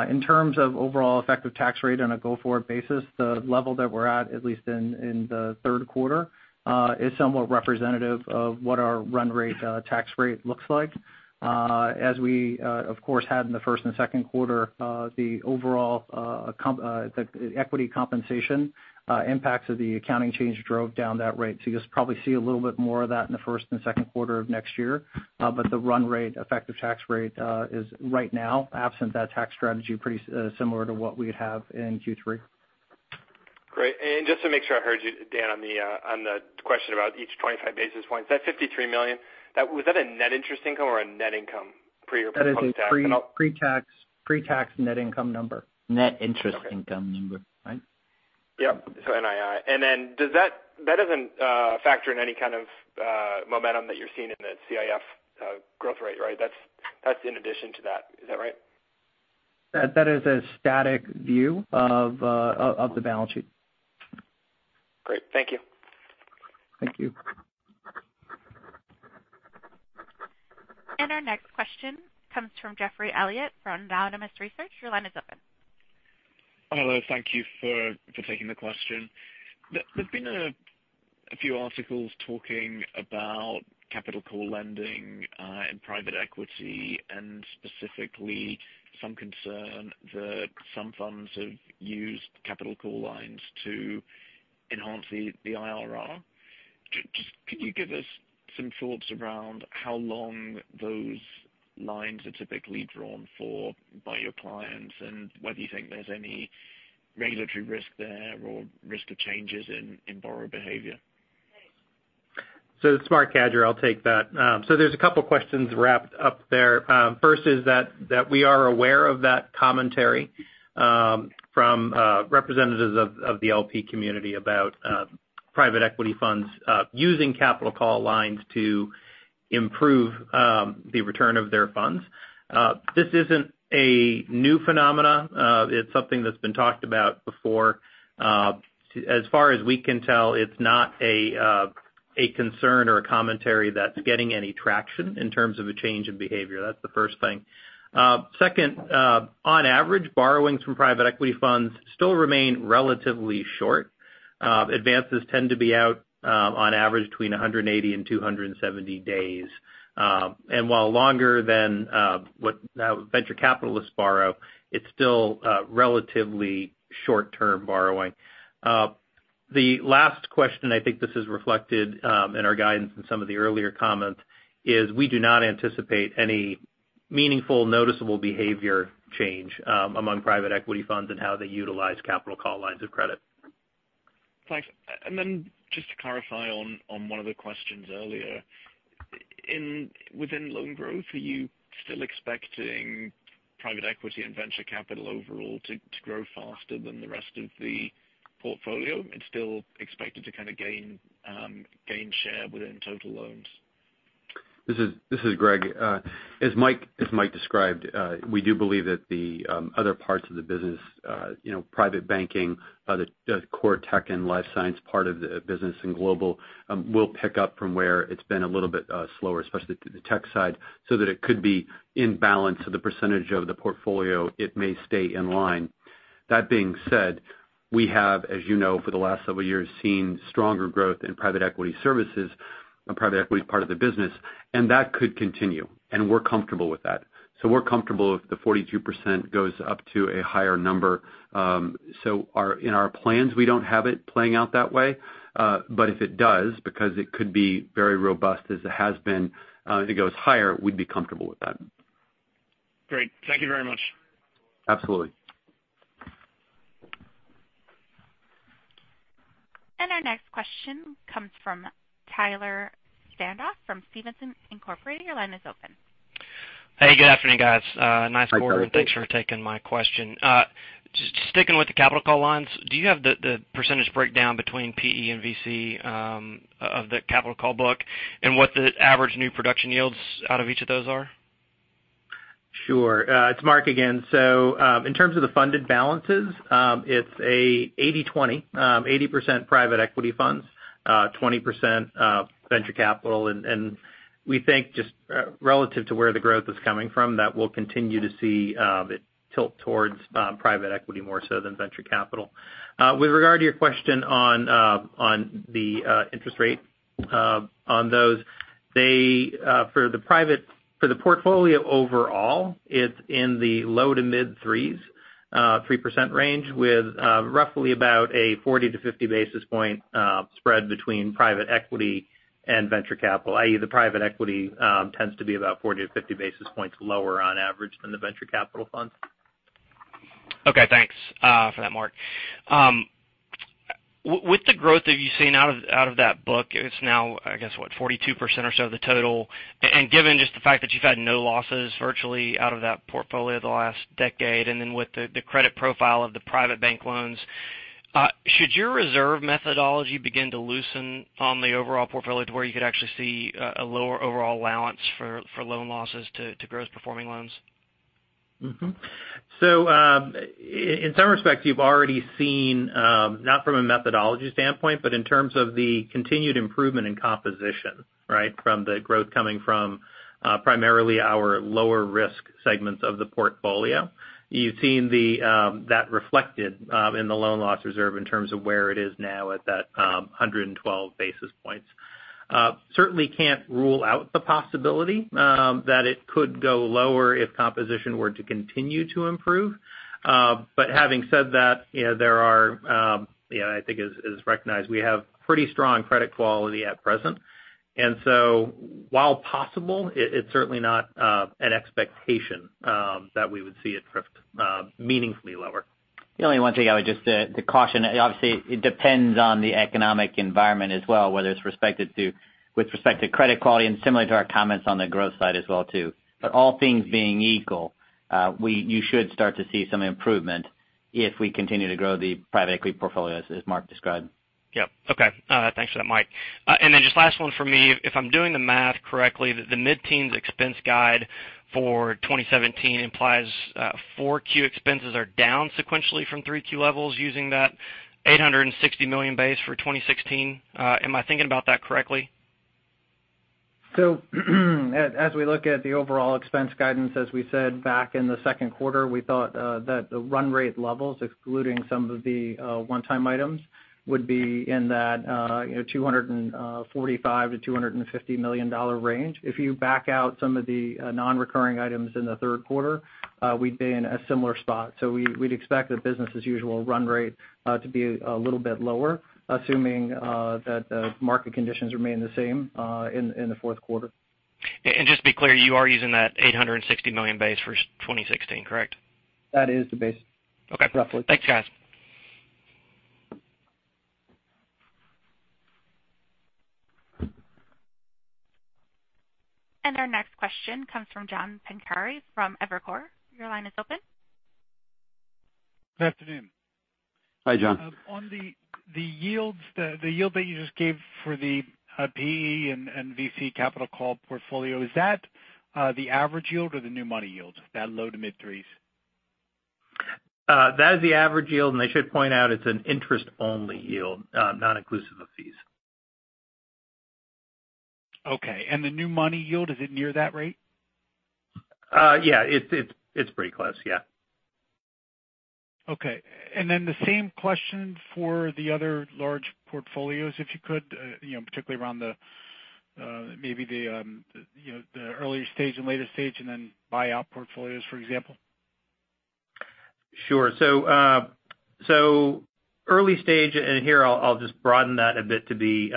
In terms of overall effective tax rate on a go-forward basis, the level that we're at least in the third quarter, is somewhat representative of what our run rate tax rate looks like. As we, of course, had in the first and second quarter, the overall equity compensation impacts of the accounting change drove down that rate. You'll probably see a little bit more of that in the first and second quarter of next year. The run rate effective tax rate is right now, absent that tax strategy, pretty similar to what we'd have in Q3. Great. Just to make sure I heard you, Dan, on the question about each 25 basis points. That $53 million, was that a net interest income or a net income pre your proposed tax? That is a pre-tax net income number. Net interest income number, right? Yep. NII. That doesn't factor in any kind of momentum that you're seeing in the CIF growth rate, right? That's in addition to that, is that right? That is a static view of the balance sheet. Great. Thank you. Thank you. Our next question comes from Jeffrey Elliott from Autonomous Research. Your line is open. Hello. Thank you for taking the question. There's been a few articles talking about capital pool lending in private equity, and specifically some concern that some funds have used capital pool lines to enhance the IRR. Just could you give us some thoughts around how long those lines are typically drawn for by your clients, and whether you think there's any regulatory risk there or risk of changes in borrower behavior? This is Marc Cadieux, I'll take that. There's a couple questions wrapped up there. First is that we are aware of that commentary from representatives of the LP community about private equity funds using capital call lines to improve the return of their funds. This isn't a new phenomenon. It's something that's been talked about before. As far as we can tell, it's not a concern or a commentary that's getting any traction in terms of a change in behavior. That's the first thing. Second, on average, borrowings from private equity funds still remain relatively short. Advances tend to be out on average between 180 and 270 days. While longer than what venture capitalists borrow, it's still relatively short-term borrowing. The last question, I think this is reflected in our guidance in some of the earlier comments, is we do not anticipate any meaningful noticeable behavior change among private equity funds and how they utilize capital call lines of credit. Thanks. Then just to clarify on one of the questions earlier. Within loan growth, are you still expecting private equity and venture capital overall to grow faster than the rest of the portfolio? It's still expected to kind of gain share within total loans. This is Greg. As Mike Descheneaux described, we do believe that the other parts of the business, private banking, the core tech and life science part of the business and global, will pick up from where it's been a little bit slower, especially through the tech side, that it could be in balance to the percentage of the portfolio, it may stay in line. That being said, we have, as you know, for the last several years, seen stronger growth in private equity services and private equity part of the business, and that could continue, and we're comfortable with that. We're comfortable if the 42% goes up to a higher number. In our plans, we don't have it playing out that way. If it does, because it could be very robust as it has been, if it goes higher, we'd be comfortable with that. Great. Thank you very much. Absolutely. Our next question comes from Tyler Stafford from Stephens Inc.. Your line is open. Hey, good afternoon, guys. Hi, Tyler. Nice quarter. Thanks for taking my question. Just sticking with the capital call lines, do you have the % breakdown between PE and VC of the capital call book and what the average new production yields out of each of those are? Sure. It's Marc again. In terms of the funded balances, it's a 80/20, 80% private equity funds, 20% venture capital. We think just relative to where the growth is coming from, that we'll continue to see it tilt towards private equity more so than venture capital. With regard to your question on the interest rate on those, for the portfolio overall, it's in the low to mid threes, 3% range with roughly about a 40-50 basis point spread between private equity and venture capital, i.e., the private equity tends to be about 40-50 basis points lower on average than the venture capital funds. Okay, thanks for that, Marc. With the growth that you've seen out of that book, it's now, I guess, what, 42% or so of the total, and given just the fact that you've had no losses virtually out of that portfolio the last decade, and then with the credit profile of the private bank loans, should your reserve methodology begin to loosen on the overall portfolio to where you could actually see a lower overall allowance for loan losses to gross performing loans? In some respects, you've already seen, not from a methodology standpoint, but in terms of the continued improvement in composition from the growth coming from primarily our lower risk segments of the portfolio. You've seen that reflected in the loan loss reserve in terms of where it is now at that 112 basis points. Certainly can't rule out the possibility that it could go lower if composition were to continue to improve. Having said that, I think as recognized, we have pretty strong credit quality at present. While possible, it's certainly not an expectation that we would see it drift meaningfully lower. The only one thing I would just caution, obviously, it depends on the economic environment as well, whether it's with respect to credit quality and similar to our comments on the growth side as well too. All things being equal, you should start to see some improvement if we continue to grow the private equity portfolios, as Marc described. Yep. Okay. Thanks for that, Mike. Just last one for me. If I'm doing the math correctly, the mid-teens expense guide for 2017 implies 4Q expenses are down sequentially from 3Q levels using that $860 million base for 2016. Am I thinking about that correctly? As we look at the overall expense guidance, as we said back in the second quarter, we thought that the run rate levels, excluding some of the one-time items, would be in that $245 million-$250 million range. If you back out some of the non-recurring items in the third quarter, we'd be in a similar spot. We'd expect the business-as-usual run rate to be a little bit lower, assuming that the market conditions remain the same in the fourth quarter. Just to be clear, you are using that $860 million base for 2016, correct? That is the base. Okay. Roughly. Thanks, guys. Our next question comes from John Pancari from Evercore. Your line is open. Good afternoon. Hi, John. On the yields, the yield that you just gave for the PE and VC capital call portfolio, is that the average yield or the new money yield, that low to mid threes? That is the average yield, and I should point out it's an interest only yield, not inclusive of fees. Okay. The new money yield, is it near that rate? Yeah. It's pretty close. Yeah. Okay. The same question for the other large portfolios, if you could, particularly around maybe the earlier stage and later stage, and then buyout portfolios, for example. Sure. Early stage, and here I'll just broaden that a bit to be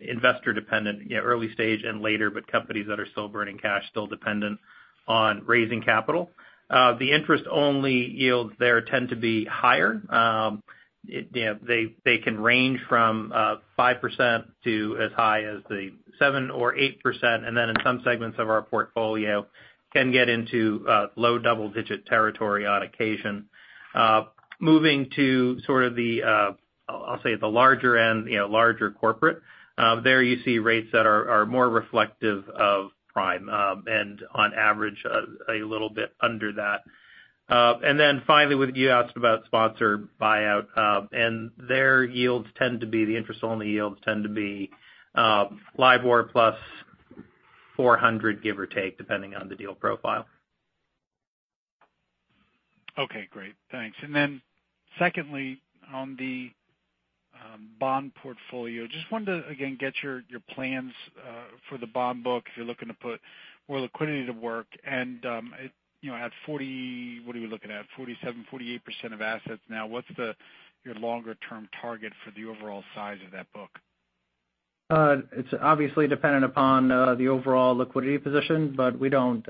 investor dependent, early stage and later, but companies that are still burning cash, still dependent on raising capital. The interest only yields there tend to be higher. They can range from 5% to as high as the 7% or 8%, and then in some segments of our portfolio can get into low double-digit territory on occasion. Moving to sort of, I'll say, the larger end, larger corporate. There you see rates that are more reflective of prime, and on average, a little bit under that. Finally, you asked about sponsor buyout, and their yields tend to be the interest only yields tend to be LIBOR plus 400, give or take, depending on the deal profile. Okay, great. Thanks. Secondly, on the bond portfolio, just wanted to again get your plans for the bond book if you're looking to put more liquidity to work and at 40, what are we looking at? 47%, 48% of assets now. What's your longer term target for the overall size of that book? It's obviously dependent upon the overall liquidity position, we don't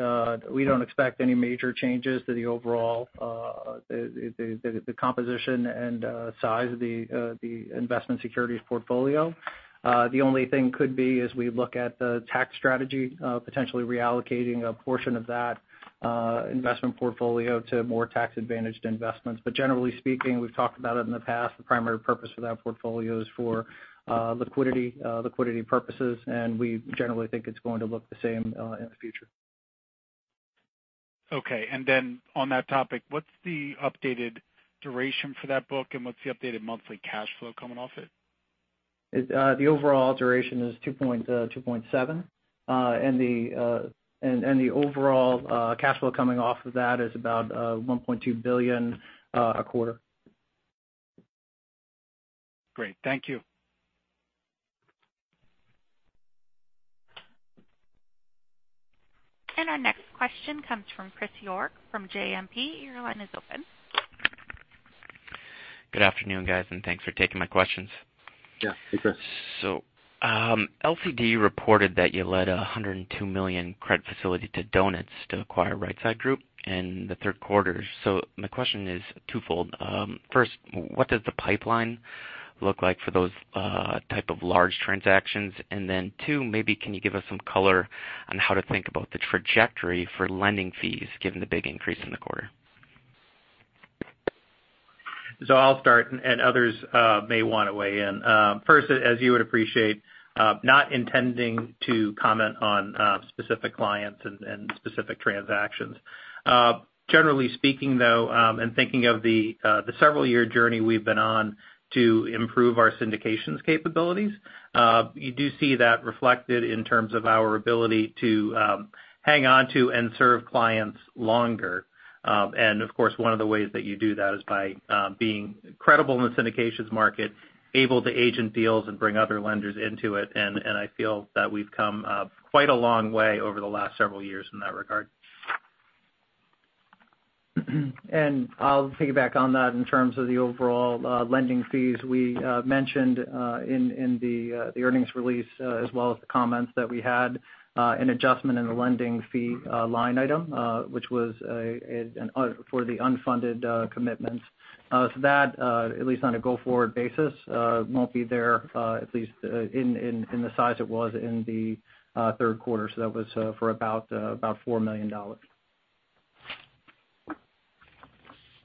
expect any major changes to the overall composition and size of the investment securities portfolio. The only thing could be is we look at the tax strategy, potentially reallocating a portion of that investment portfolio to more tax-advantaged investments. Generally speaking, we've talked about it in the past. The primary purpose for that portfolio is for liquidity purposes, and we generally think it's going to look the same in the future. Okay. On that topic, what's the updated duration for that book, and what's the updated monthly cash flow coming off it? The overall duration is 2.7. The overall cash flow coming off of that is about $1.2 billion a quarter. Great. Thank you. Our next question comes from Chris York from JMP. Your line is open. Good afternoon, guys. Thanks for taking my questions. Yeah. Hey, Chris. LCD reported that you led $102 million credit facility to Donuts to acquire Rightside Group in the third quarter. My question is twofold. First, what does the pipeline look like for those type of large transactions? Then two, maybe can you give us some color on how to think about the trajectory for lending fees given the big increase in the quarter? I'll start, and others may want to weigh in. First, as you would appreciate, not intending to comment on specific clients and specific transactions. Generally speaking, though, and thinking of the several year journey we've been on to improve our syndications capabilities, you do see that reflected in terms of our ability to hang on to and serve clients longer. Of course, one of the ways that you do that is by being credible in the syndications market, able to agent deals and bring other lenders into it. I feel that we've come quite a long way over the last several years in that regard. I'll piggyback on that in terms of the overall lending fees we mentioned in the earnings release as well as the comments that we had an adjustment in the lending fee line item which was for the unfunded commitments. That, at least on a go-forward basis, won't be there at least in the size it was in the third quarter. That was for about $4 million.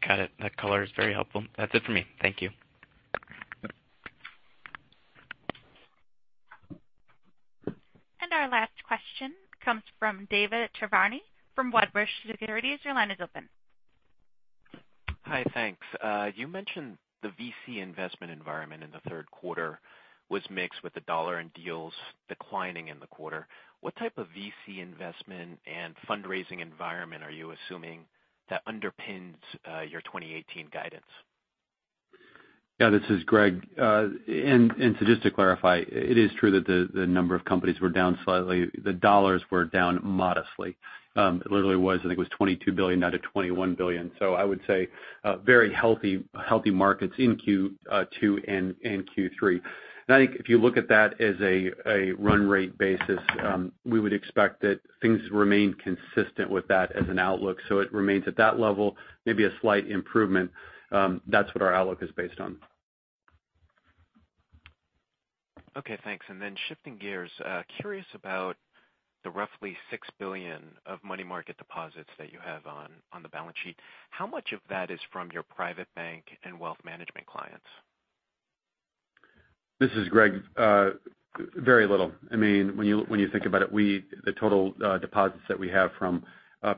Got it. That color is very helpful. That's it for me. Thank you. Our last question comes from David Chiaverini from Wedbush Securities. Your line is open. Hi. Thanks. You mentioned the VC investment environment in the third quarter was mixed with the $ and deals declining in the quarter. What type of VC investment and fundraising environment are you assuming that underpins your 2018 guidance? This is Greg. Just to clarify, it is true that the number of companies were down slightly. The $ were down modestly. It literally was, I think it was $22 billion now to $21 billion. I would say very healthy markets in Q2 and Q3. I think if you look at that as a run rate basis, we would expect that things remain consistent with that as an outlook. It remains at that level, maybe a slight improvement. That's what our outlook is based on. Okay, thanks. Shifting gears. Curious about the roughly $6 billion of money market deposits that you have on the balance sheet. How much of that is from your private bank and wealth management clients? This is Greg. Very little. When you think about it, the total deposits that we have from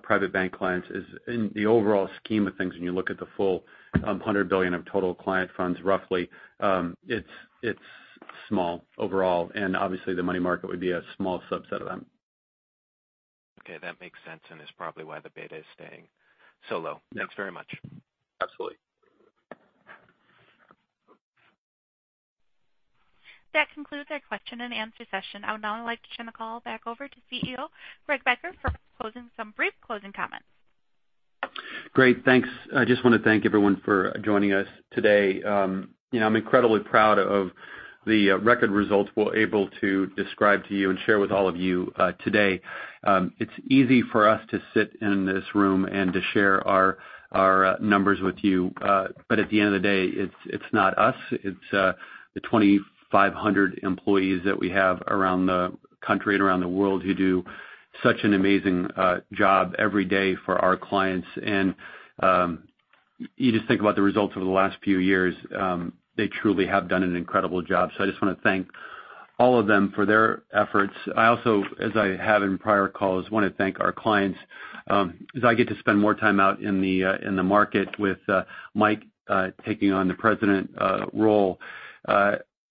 private bank clients is in the overall scheme of things when you look at the full $100 billion of total client funds, roughly, it's small overall, and obviously the money market would be a small subset of that. Okay, that makes sense and is probably why the beta is staying so low. Thanks very much. Absolutely. That concludes our question and answer session. I would now like to turn the call back over to CEO Greg Becker for some brief closing comments. Great. Thanks. I just want to thank everyone for joining us today. I'm incredibly proud of the record results we're able to describe to you and share with all of you today. It's easy for us to sit in this room and to share our numbers with you. At the end of the day, it's not us, it's the 2,500 employees that we have around the country and around the world who do such an amazing job every day for our clients. You just think about the results over the last few years. They truly have done an incredible job. I just want to thank all of them for their efforts. I also, as I have in prior calls, want to thank our clients. As I get to spend more time out in the market with Mike taking on the President role,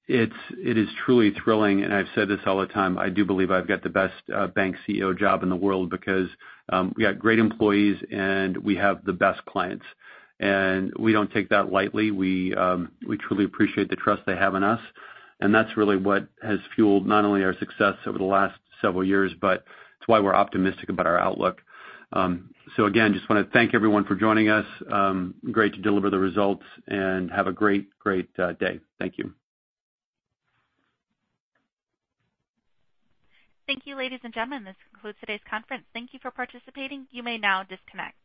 it is truly thrilling. I've said this all the time. I do believe I've got the best bank CEO job in the world because we got great employees, and we have the best clients. We don't take that lightly. We truly appreciate the trust they have in us. That's really what has fueled not only our success over the last several years, but it's why we're optimistic about our outlook. Again, just want to thank everyone for joining us. Great to deliver the results and have a great day. Thank you. Thank you, ladies and gentlemen. This concludes today's conference. Thank you for participating. You may now disconnect.